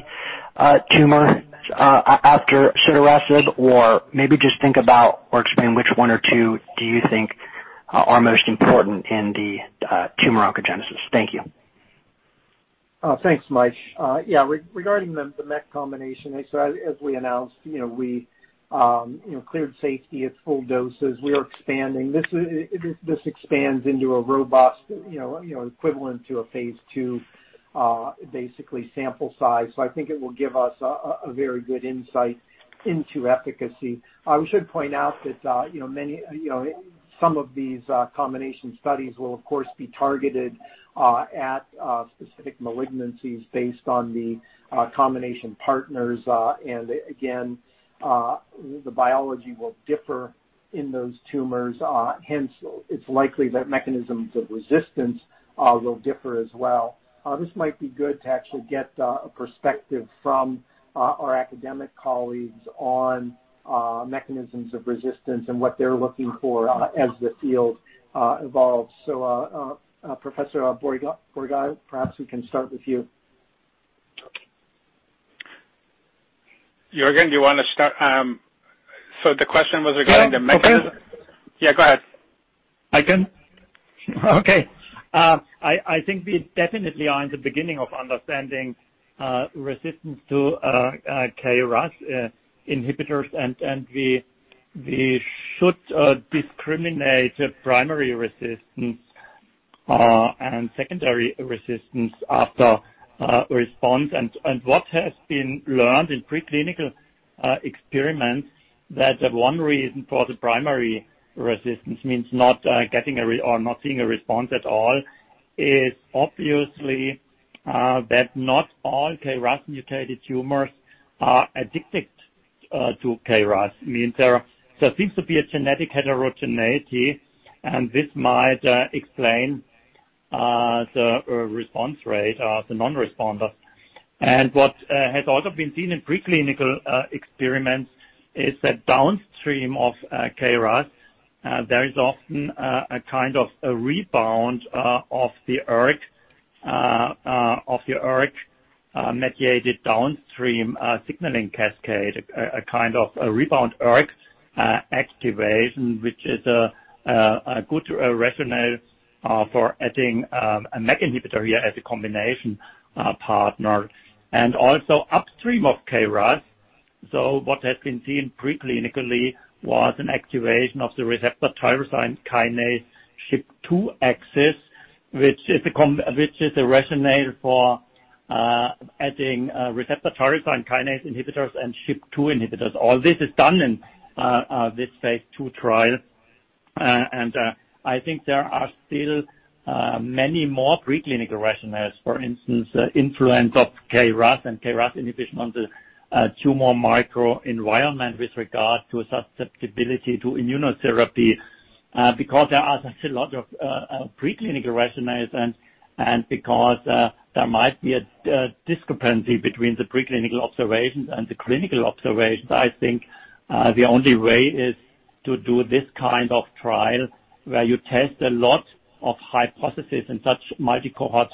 tumor, after sotorasib? Maybe just think about or explain which one or two do you think are most important in the tumor oncogenesis? Thank you. Thanks, Mike. Regarding the MEK combination, as we announced, we cleared safety at full doses. We are expanding. This expands into a robust equivalent to a phase II, basically sample size. I think it will give us a very good insight into efficacy. We should point out that some of these combination studies will, of course, be targeted at specific malignancies based on the combination partners. Again, the biology will differ in those tumors. Hence, it's likely that mechanisms of resistance will differ as well. This might be good to actually get a perspective from our academic colleagues on mechanisms of resistance and what they're looking for as the field evolves. Professor Borghaei, perhaps we can start with you. Jürgen, do you want to start? The question was regarding the mechanism. Yeah. Yeah, go ahead. I can? Okay. I think we definitely are in the beginning of understanding resistance to KRAS inhibitors, and we should discriminate primary resistance and secondary resistance after response. What has been learned in preclinical experiments, that one reason for the primary resistance means not getting or not seeing a response at all, is obviously that not all KRAS-mutated tumors are addicted to KRAS. Means there seems to be a genetic heterogeneity, and this might explain the response rate of the non-responder. What has also been seen in preclinical experiments is that downstream of KRAS, there is often a kind of rebound of the ERK-mediated downstream signaling cascade, a kind of rebound ERK activation, which is a good rationale for adding a MEK inhibitor here as a combination partner. Also upstream of KRAS, what has been seen preclinically was an activation of the receptor tyrosine kinase SHP2 axis, which is a rationale for adding receptor tyrosine kinase inhibitors and SHP2 inhibitors. All this is done in this phase II trial. I think there are still many more preclinical rationales. For instance, influence of KRAS and KRAS inhibition on the tumor microenvironment with regard to susceptibility to immunotherapy. Because there are still a lot of preclinical rationales and because there might be a discrepancy between the preclinical observations and the clinical observations, I think the only way is to do this kind of trial where you test a lot of hypothesis in such multi-cohort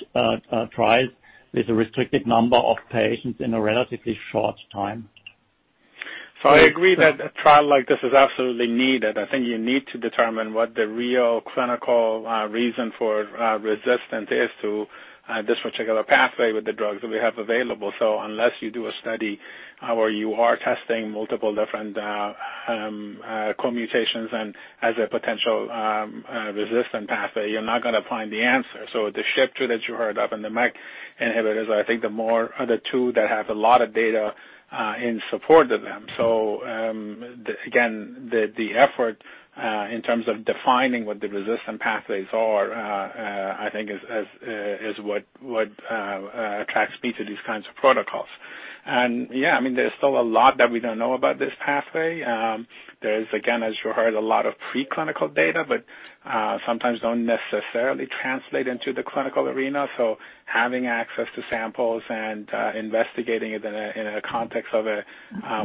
trials with a restricted number of patients in a relatively short time. I agree that a trial like this is absolutely needed. I think you need to determine what the real clinical reason for resistance is to this particular pathway with the drugs that we have available. Unless you do a study where you are testing multiple different co-mutations and as a potential resistant pathway, you're not going to find the answer. The SHP2 that you heard of and the MEK inhibitors are, I think the two that have a lot of data in support of them. Again, the effort in terms of defining what the resistant pathways are, I think is what attracts me to these kinds of protocols. Yeah, there's still a lot that we don't know about this pathway. There's, again, as you heard, a lot of preclinical data, but sometimes don't necessarily translate into the clinical arena. Having access to samples and investigating it in a context of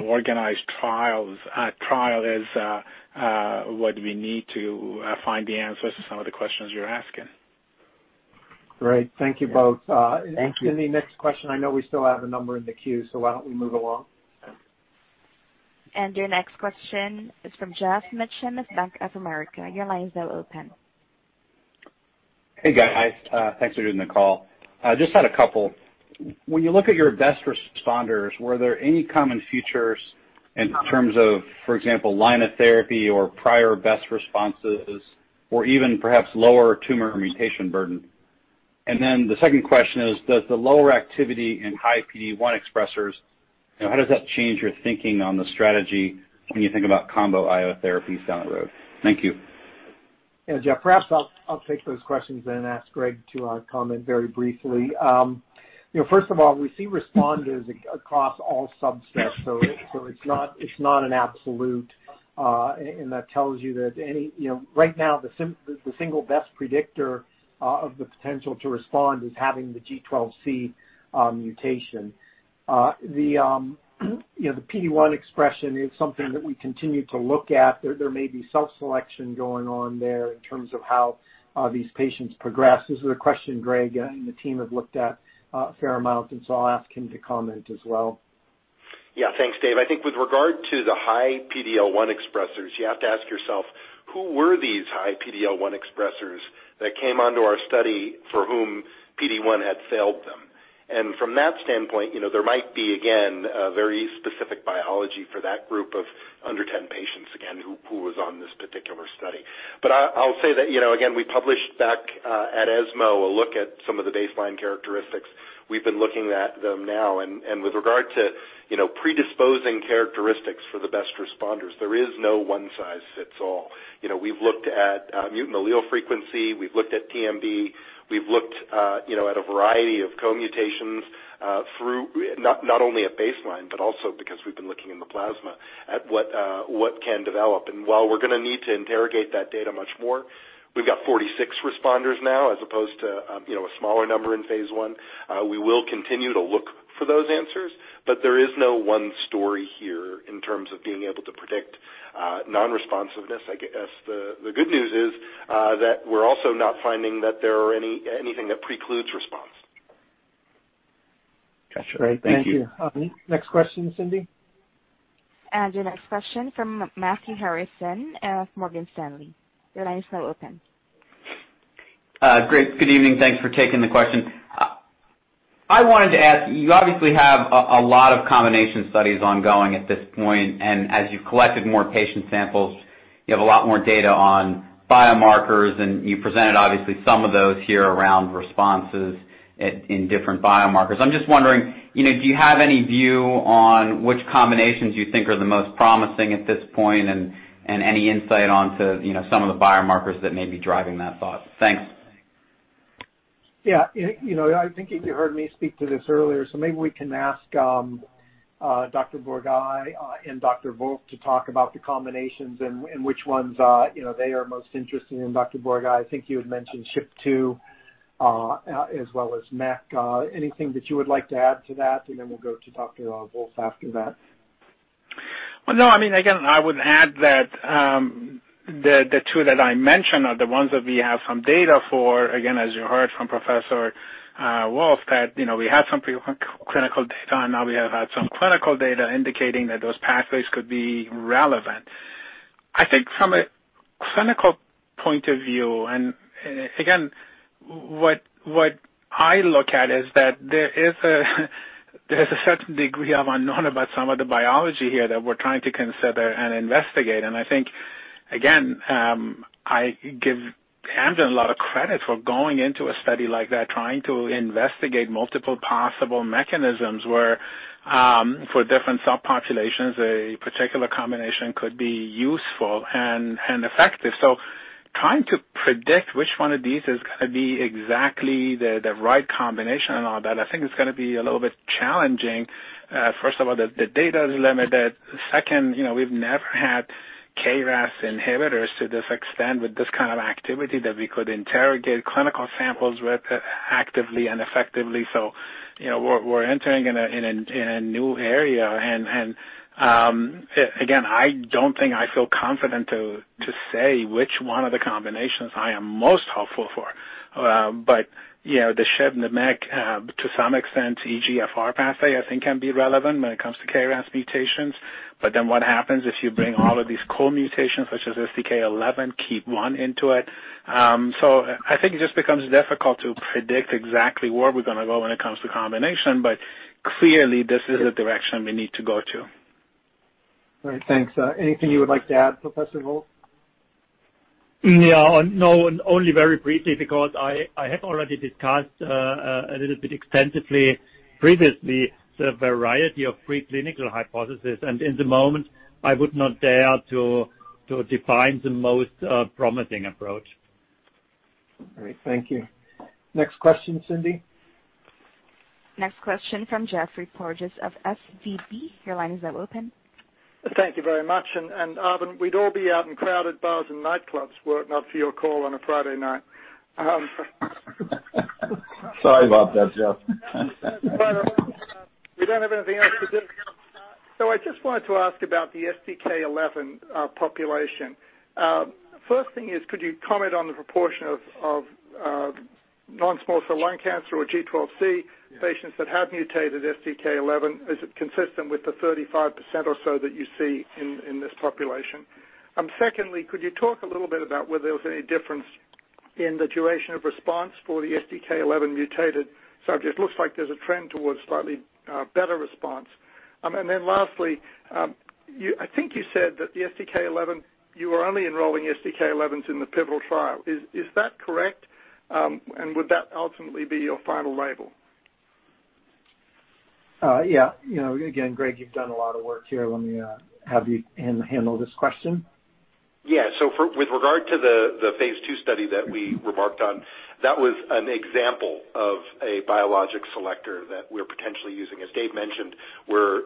organized trial is what we need to find the answers to some of the questions you're asking. Great. Thank you both. Thank you. Cindy, next question, I know we still have a number in the queue, why don't we move along? Your next question is from Geoff Meacham with Bank of America. Your line is now open. Hey, guys. Thanks for doing the call. Just had a couple. When you look at your best responders, were there any common features in terms of, for example, line of therapy or prior best responses, or even perhaps lower tumor mutation burden? The second question is, does the lower activity in high PD-1 expressors, how does that change your thinking on the strategy when you think about combo IO therapies down the road? Thank you. Yeah, Geoff, perhaps I'll take those questions then ask Greg to comment very briefly. First of all, we see responders across all subsets, so it's not an absolute. That tells you that right now, the single best predictor of the potential to respond is having the G12C mutation. The PD-1 expression is something that we continue to look at. There may be self-selection going on there in terms of how these patients progress. This is a question Greg and the team have looked at a fair amount, and so I'll ask him to comment as well. Thanks, Dave. I think with regard to the high PD-L1 expressers, you have to ask yourself, who were these high PD-L1 expressers that came onto our study for whom PD-1 had failed them? From that standpoint, there might be, again, a very specific biology for that group of under 10 patients, again, who was on this particular study. I'll say that, again, we published back at ESMO a look at some of the baseline characteristics. We've been looking at them now, and with regard to predisposing characteristics for the best responders, there is no one size fits all. We've looked at mutant allele frequency. We've looked at TMB. We've looked at a variety of co-mutations through not only at baseline, but also because we've been looking in the plasma at what can develop. While we're going to need to interrogate that data much more, we've got 46 responders now as opposed to a smaller number in phase I. We will continue to look for those answers, but there is no one story here in terms of being able to predict non-responsiveness. I guess the good news is that we're also not finding that there are anything that precludes response. Got you. Thank you. Great. Thank you. Next question, Cindy. Your next question from Matthew Harrison of Morgan Stanley. Your line is now open. Great. Good evening. Thanks for taking the question. I wanted to ask, you obviously have a lot of combination studies ongoing at this point, and as you've collected more patient samples, you have a lot more data on biomarkers, and you presented obviously some of those here around responses in different biomarkers. I'm just wondering, do you have any view on which combinations you think are the most promising at this point and any insight onto some of the biomarkers that may be driving that thought? Thanks. Yeah. I think you heard me speak to this earlier, so maybe we can ask Dr. Borghaei and Dr. Jürgen Wolf to talk about the combinations and which ones they are most interested in. Dr. Borghaei, I think you had mentioned SHP2 as well as MEK. Anything that you would like to add to that? Then, we'll go to Dr. Jürgen Wolf after that. Well, no, again, I would add that the two that I mentioned are the ones that we have some data for, again, as you heard from Professor Jürgen Wolf, that we have some preclinical data, and now we have had some clinical data indicating that those pathways could be relevant. I think from a clinical point of view, and again, what I look at is that there is a certain degree of unknown about some of the biology here that we're trying to consider and investigate. I think, again, I give Amgen a lot of credit for going into a study like that, trying to investigate multiple possible mechanisms where for different subpopulations, a particular combination could be useful and effective. Trying to predict which one of these is going to be exactly the right combination and all that, I think it's going to be a little bit challenging. First of all, the data is limited. Second, we've never had KRAS inhibitors to this extent with this kind of activity that we could interrogate clinical samples with actively and effectively. We're entering in a new area, and again, I don't think I feel confident to say which one of the combinations I am most hopeful for, but the SHP and the MEK, to some extent, EGFR pathway, I think, can be relevant when it comes to KRAS mutations, but then what happens if you bring all of these co-mutations such as STK11, KEAP1 into it? I think it just becomes difficult to predict exactly where we're going to go when it comes to combination, but clearly this is a direction we need to go to. All right. Thanks. Anything you would like to add, Professor Jürgen Wolf? No, only very briefly because I have already discussed a little bit extensively previously the variety of preclinical hypothesis. At the moment, I would not dare to define the most promising approach. Great. Thank you. Next question, Cindy. Next question from Geoffrey Porges of SVB. Your line is now open. Thank you very much. Arvind, we'd all be out in crowded bars and nightclubs were it not for your call on a Friday night. Sorry about that, Geoff. We don't have anything else to do. I just wanted to ask about the STK11 population. First thing is, could you comment on the proportion of non-small cell lung cancer or G12C patients that have mutated STK11? Is it consistent with the 35% or so that you see in this population? Secondly, could you talk a little bit about whether there was any difference in the duration of response for the STK11 mutated subject? Looks like there's a trend towards slightly better response. Lastly, I think you said that you were only enrolling STK11s in the pivotal trial. Is that correct? Would that ultimately be your final label? Yeah. Again, Greg, you've done a lot of work here. Let me have you handle this question. Yeah. With regard to the phase II study that we remarked on, that was an example of a biologic selector that we're potentially using. As Dave mentioned, we're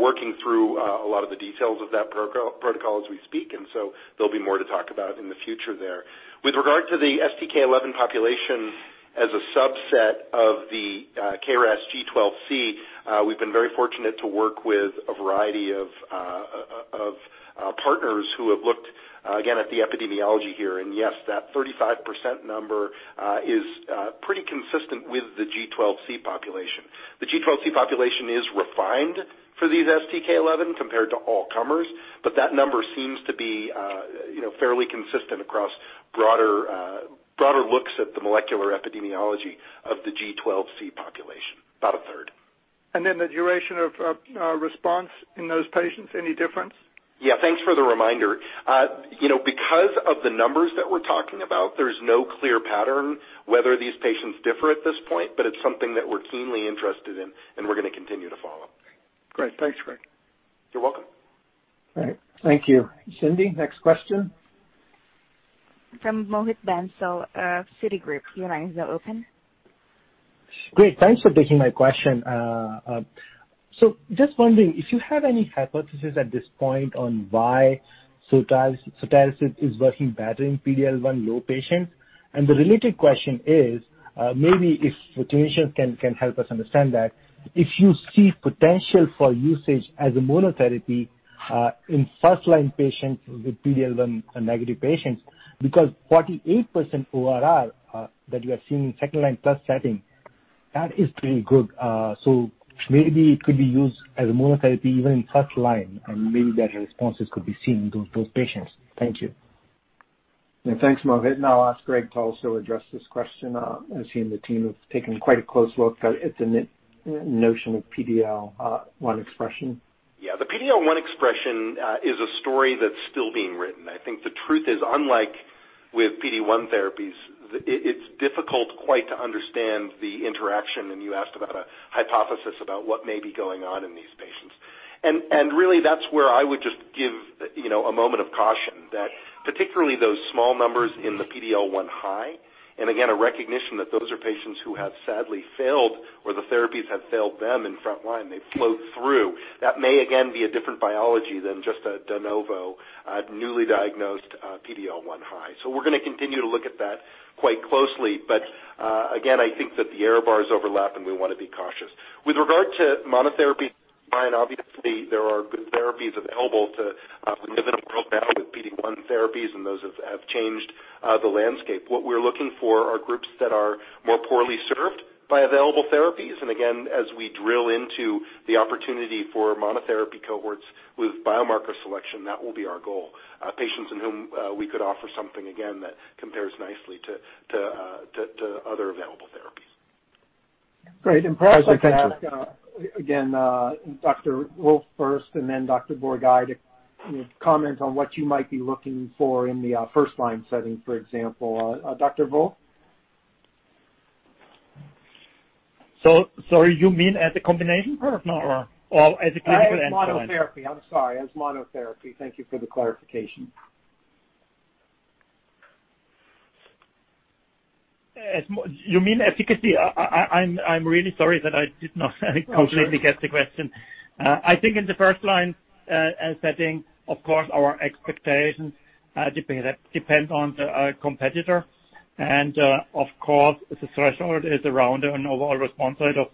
working through a lot of the details of that protocol as we speak, and so there'll be more to talk about in the future there. With regard to the STK11 population as a subset of the KRAS G12C, we've been very fortunate to work with a variety of partners who have looked again at the epidemiology here. Yes, that 35% number is pretty consistent with the G12C population. The G12C population is refined for these STK11 compared to all comers, but that number seems to be fairly consistent across broader looks at the molecular epidemiology of the G12C population, about a third. The duration of response in those patients, any difference? Yeah, thanks for the reminder. Because of the numbers that we're talking about, there's no clear pattern whether these patients differ at this point, but it's something that we're keenly interested in, and we're going to continue to follow. Great. Thanks, Greg. You're welcome. All right. Thank you. Cindy, next question. From Mohit Bansal of Citigroup. Your line is now open. Great. Thanks for taking my question. Just wondering if you have any hypothesis at this point on why sotorasib is working better in PD-L1 low patients. The related question is, maybe if mutation can help us understand that, if you see potential for usage as a monotherapy in first-line patients with PD-L1 negative patients. 48% ORR that you are seeing in second-line plus setting, that is pretty good. Maybe it could be used as a monotherapy even in first-line and maybe better responses could be seen in those patients. Thank you. Yeah, thanks, Mohit, and I'll ask Greg to also address this question, as he and the team have taken quite a close look at the notion of PD-L1 expression. The PD-L1 expression is a story that's still being written. I think the truth is, unlike with PD-1 therapies, it's difficult quite to understand the interaction, and you asked about a hypothesis about what may be going on in these patients and really that's where I would just give a moment of caution that particularly those small numbers in the PD-L1 high, and again, a recognition that those are patients who have sadly failed or the therapies have failed them in front line, they float through. That may, again, be a different biology than just a de novo, newly diagnosed PD-L1 high. We're going to continue to look at that quite closely, but again, I think that the error bars overlap, and we want to be cautious. With regard to monotherapy, obviously, there are good therapies available. We live in a world now with PD-1 therapies, and those have changed the landscape. What we're looking for are groups that are more poorly served by available therapies. Again, as we drill into the opportunity for monotherapy cohorts with biomarker selection, that will be our goal. Patients in whom we could offer something, again, that compares nicely to other available therapies. Great. Thank you. Again, Dr. Wolf first and then Dr. Borghaei to comment on what you might be looking for in the first-line setting, for example. Dr. Wolf? Sorry, you mean as a combination product or as a clinical endpoint? As monotherapy. I'm sorry, as monotherapy. Thank you for the clarification. You mean efficacy? I'm really sorry that I did not completely get the question. I think in the first-line setting, of course, our expectations depend on the competitor. Of course, the threshold is around an overall response rate of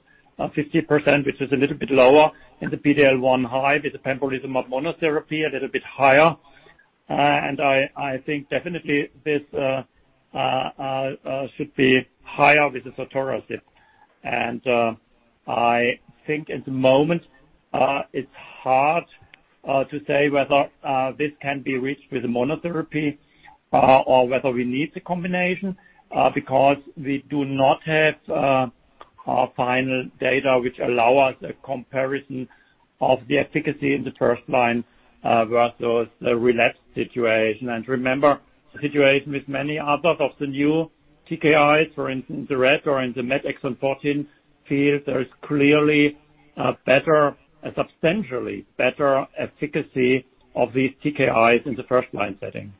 50%, which is a little bit lower in the PD-L1 high with the pembrolizumab monotherapy, a little bit higher. I think definitely this should be higher with the sotorasib. I think at the moment, it's hard to say whether this can be reached with monotherapy or whether we need the combination, because we do not have our final data which allow us a comparison of the efficacy in the first line versus the relapse situation. Remember, the situation with many others of the new TKIs, for instance, the RET or in the MET exon 14 field, there is clearly a substantially better efficacy of these TKIs in the first-line setting.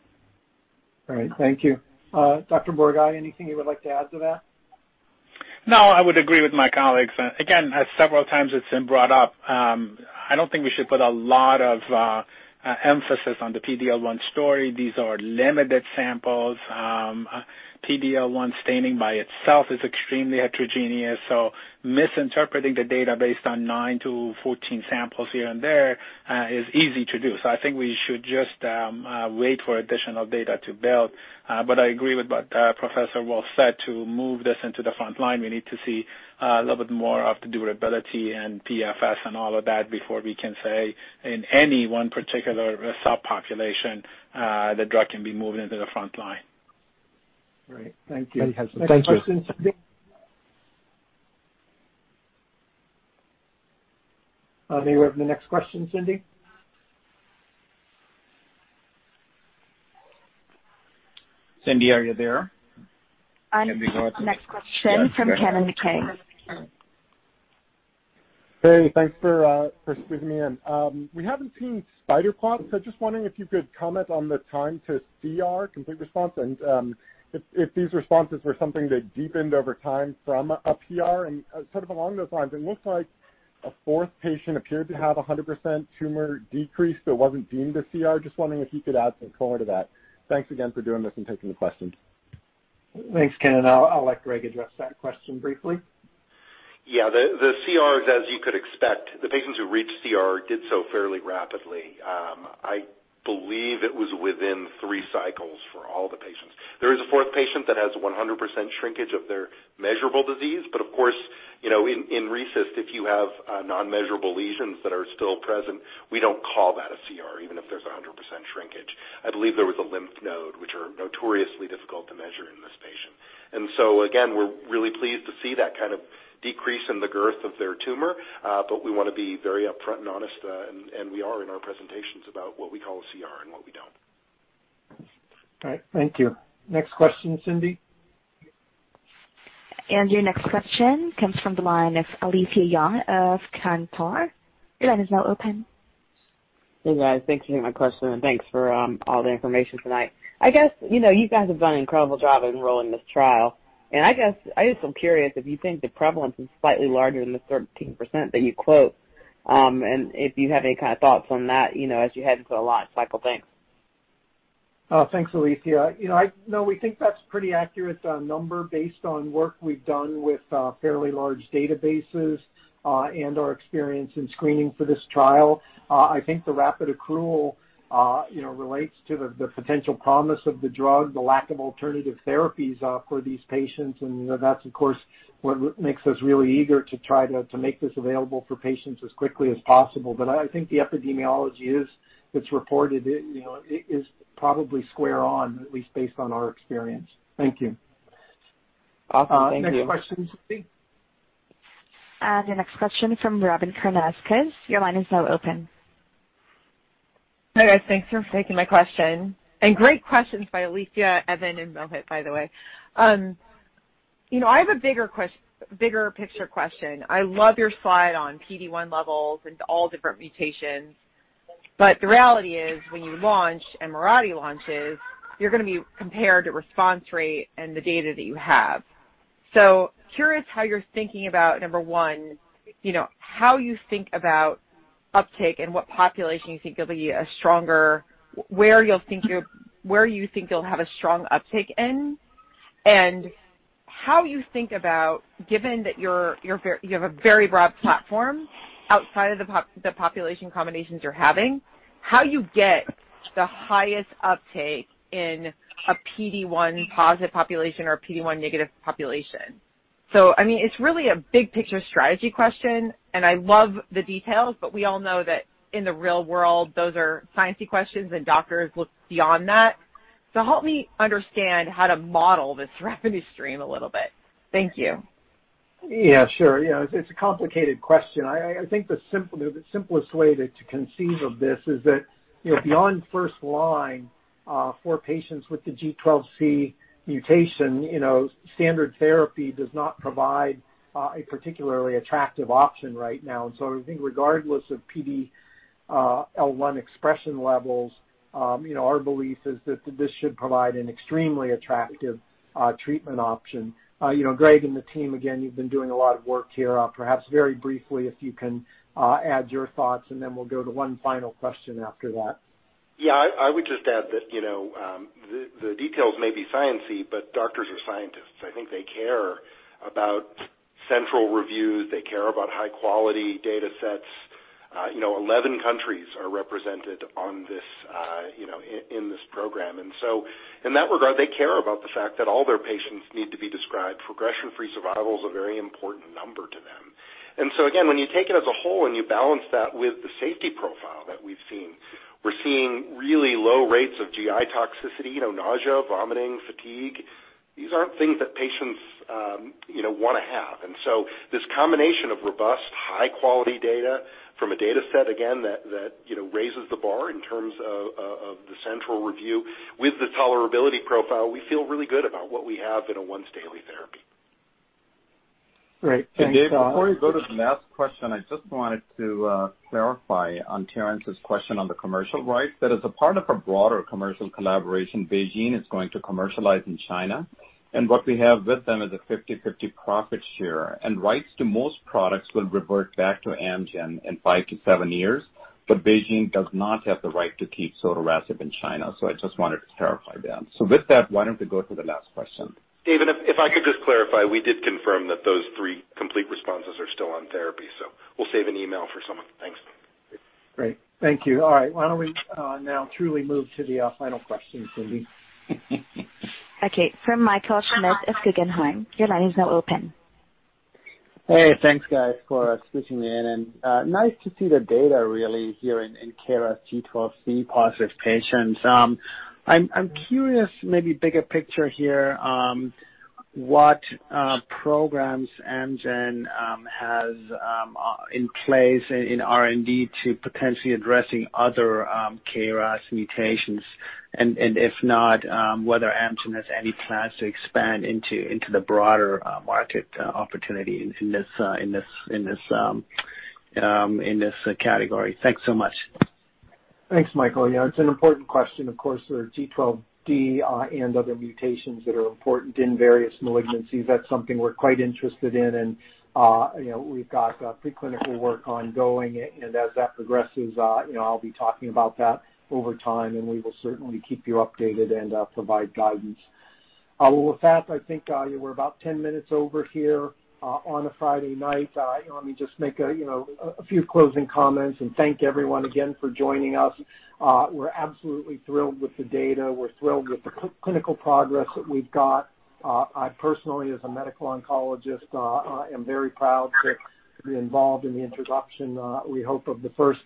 All right. Thank you. Dr. Borghaei, anything you would like to add to that? No, I would agree with my colleagues. Again, several times it's been brought up. I don't think we should put a lot of emphasis on the PD-L1 story. These are limited samples. PD-L1 staining by itself is extremely heterogeneous, so misinterpreting the data based on 9-14 samples here and there is easy to do. I think we should just wait for additional data to build. I agree with what Professor Wolf said, to move this into the front line, we need to see a little bit more of the durability in PFS and all of that before we can say in any one particular subpopulation, the drug can be moved into the front line. Great. Thank you. Thank you. Next question, Cindy. May we have the next question, Cindy? Cindy, are you there? Next question from Kevin McKen. Hey, thanks for squeezing me in. We haven't seen spider plots, so just wondering if you could comment on the time to CR, complete response, and if these responses were something that deepened over time from a PR. Sort of along those lines, it looks like a fourth patient appeared to have 100% tumor decrease, but wasn't deemed a CR. Just wondering if you could add some color to that. Thanks again for doing this and taking the questions. Thanks, Kevin. I'll let Greg address that question briefly. Yeah. The CRs, as you could expect, the patients who reached CR did so fairly rapidly. I believe it was within three cycles for all the patients. There is a fourth patient that has 100% shrinkage of their measurable disease. Of course, in RECIST, if you have non-measurable lesions that are still present, we don't call that a CR, even if there's 100% shrinkage. I believe there was a lymph node, which are notoriously difficult to measure in this patient. Again, we're really pleased to see that kind of decrease in the girth of their tumor, but we want to be very upfront and honest, and we are in our presentations about what we call a CR and what we don't. All right. Thank you. Next question, Cindy. Your next question comes from the line of Alethia Young of Cantor. Your line is now open. Hey, guys. Thanks for taking my question, and thanks for all the information tonight. I guess, you guys have done an incredible job enrolling this trial, and I guess, I just am curious if you think the prevalence is slightly larger than the 13% that you quote, and if you have any kind of thoughts on that as you head into a launch cycle. Thanks. Oh, thanks, Alethia. We think that's a pretty accurate number based on work we've done with fairly large databases, and our experience in screening for this trial. I think the rapid accrual relates to the potential promise of the drug, the lack of alternative therapies for these patients, and that's, of course, what makes us really eager to try to make this available for patients as quickly as possible. I think the epidemiology that's reported is probably square on, at least based on our experience. Thank you. Awesome. Thank you. Next question, Cindy. The next question from Robyn Karnauskas. Your line is now open. Hi, guys. Thanks for taking my question. Great questions by Alethia, Evan, and Mohit, by the way. I have a bigger picture question. I love your slide on PD-1 levels into all different mutations, but the reality is when you launch and Mirati launches, you're going to be compared to response rate and the data that you have. Curious how you're thinking about, number one, how you think about uptake and what population you think you'll have a stronger, where you think you will have a stronger uptake in, and how you think about, given that you have a very broad platform outside of the population combinations you're having, how you get the highest uptake in a PD-1 positive population or PD-1 negative population. It's really a big picture strategy question and I love the details, but we all know that in the real world, those are science-y questions, and doctors look beyond that. Help me understand how to model this revenue stream a little bit. Thank you. Yeah, sure. It's a complicated question. I think the simplest way to conceive of this is that beyond first line, for patients with the G12C mutation, standard therapy does not provide a particularly attractive option right now. I think regardless of PD-L1 expression levels, our belief is that this should provide an extremely attractive treatment option. Greg and the team, again, you've been doing a lot of work here. Perhaps very briefly, if you can add your thoughts, and then we'll go to one final question after that. Yeah. I would just add that the details may be science-y, but doctors are scientists. I think they care about central reviews. They care about high-quality data sets. 11 countries are represented in this program. In that regard, they care about the fact that all their patients need to be described. Progression-free survival is a very important number to them. Again, when you take it as a whole and you balance that with the safety profile that we've seen, we're seeing really low rates of GI toxicity, nausea, vomiting, fatigue. These aren't things that patients want to have. This combination of robust, high-quality data from a data set, again, that raises the bar in terms of the central review with the tolerability profile, we feel really good about what we have in a once-daily therapy. Before we go to the last question, I just wanted to clarify on Terence's question on the commercial rights, that as a part of a broader commercial collaboration, BeiGene is going to commercialize in China, and what we have with them is a 50/50 profit share, and rights to most products will revert back to Amgen in five to seven years. BeiGene does not have the right to keep sotorasib in China. I just wanted to clarify that. With that, why don't we go to the last question? David, if I could just clarify, we did confirm that those three complete responses are still on therapy, so we'll save an email for someone. Thanks. Great. Thank you. All right. Why don't we now truly move to the final question, Cindy? Okay. From Michael Schmidt of Guggenheim. Your line is now open. Hey, thanks, guys, for squeezing me in, and nice to see the data really here in KRAS G12C positive patients. I'm curious, maybe bigger picture here, what programs Amgen has in place in R&D to potentially addressing other KRAS mutations, and if not, whether Amgen has any plans to expand into the broader market opportunity in this category. Thanks so much. Thanks, Michael. It's an important question. Of course, there are G12D and other mutations that are important in various malignancies. That's something we're quite interested in, and we've got preclinical work ongoing, and as that progresses, I'll be talking about that over time, and we will certainly keep you updated and provide guidance. Well, with that, I think we're about 10 minutes over here on a Friday night. Let me just make a few closing comments and thank everyone again for joining us. We're absolutely thrilled with the data. We're thrilled with the clinical progress that we've got. I personally, as a medical oncologist, am very proud to be involved in the introduction, we hope, of the first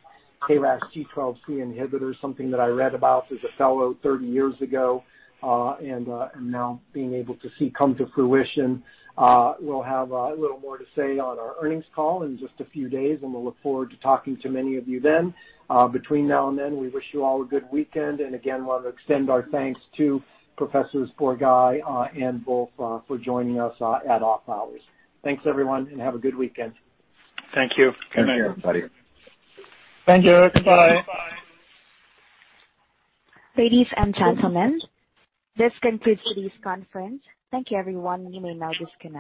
KRAS G12C inhibitor, something that I read about as a fellow 30 years ago, and now being able to see come to fruition. We'll have a little more to say on our earnings call in just a few days, and we'll look forward to talking to many of you then. Between now and then, we wish you all a good weekend, and again, want to extend our thanks to Professors Borghaei and Wolf for joining us at off hours. Thanks, everyone, and have a good weekend. Thank you. Good night. Thank you, everybody. Thank you. Bye. Ladies and gentlemen, this concludes today's conference. Thank you, everyone. You may now disconnect.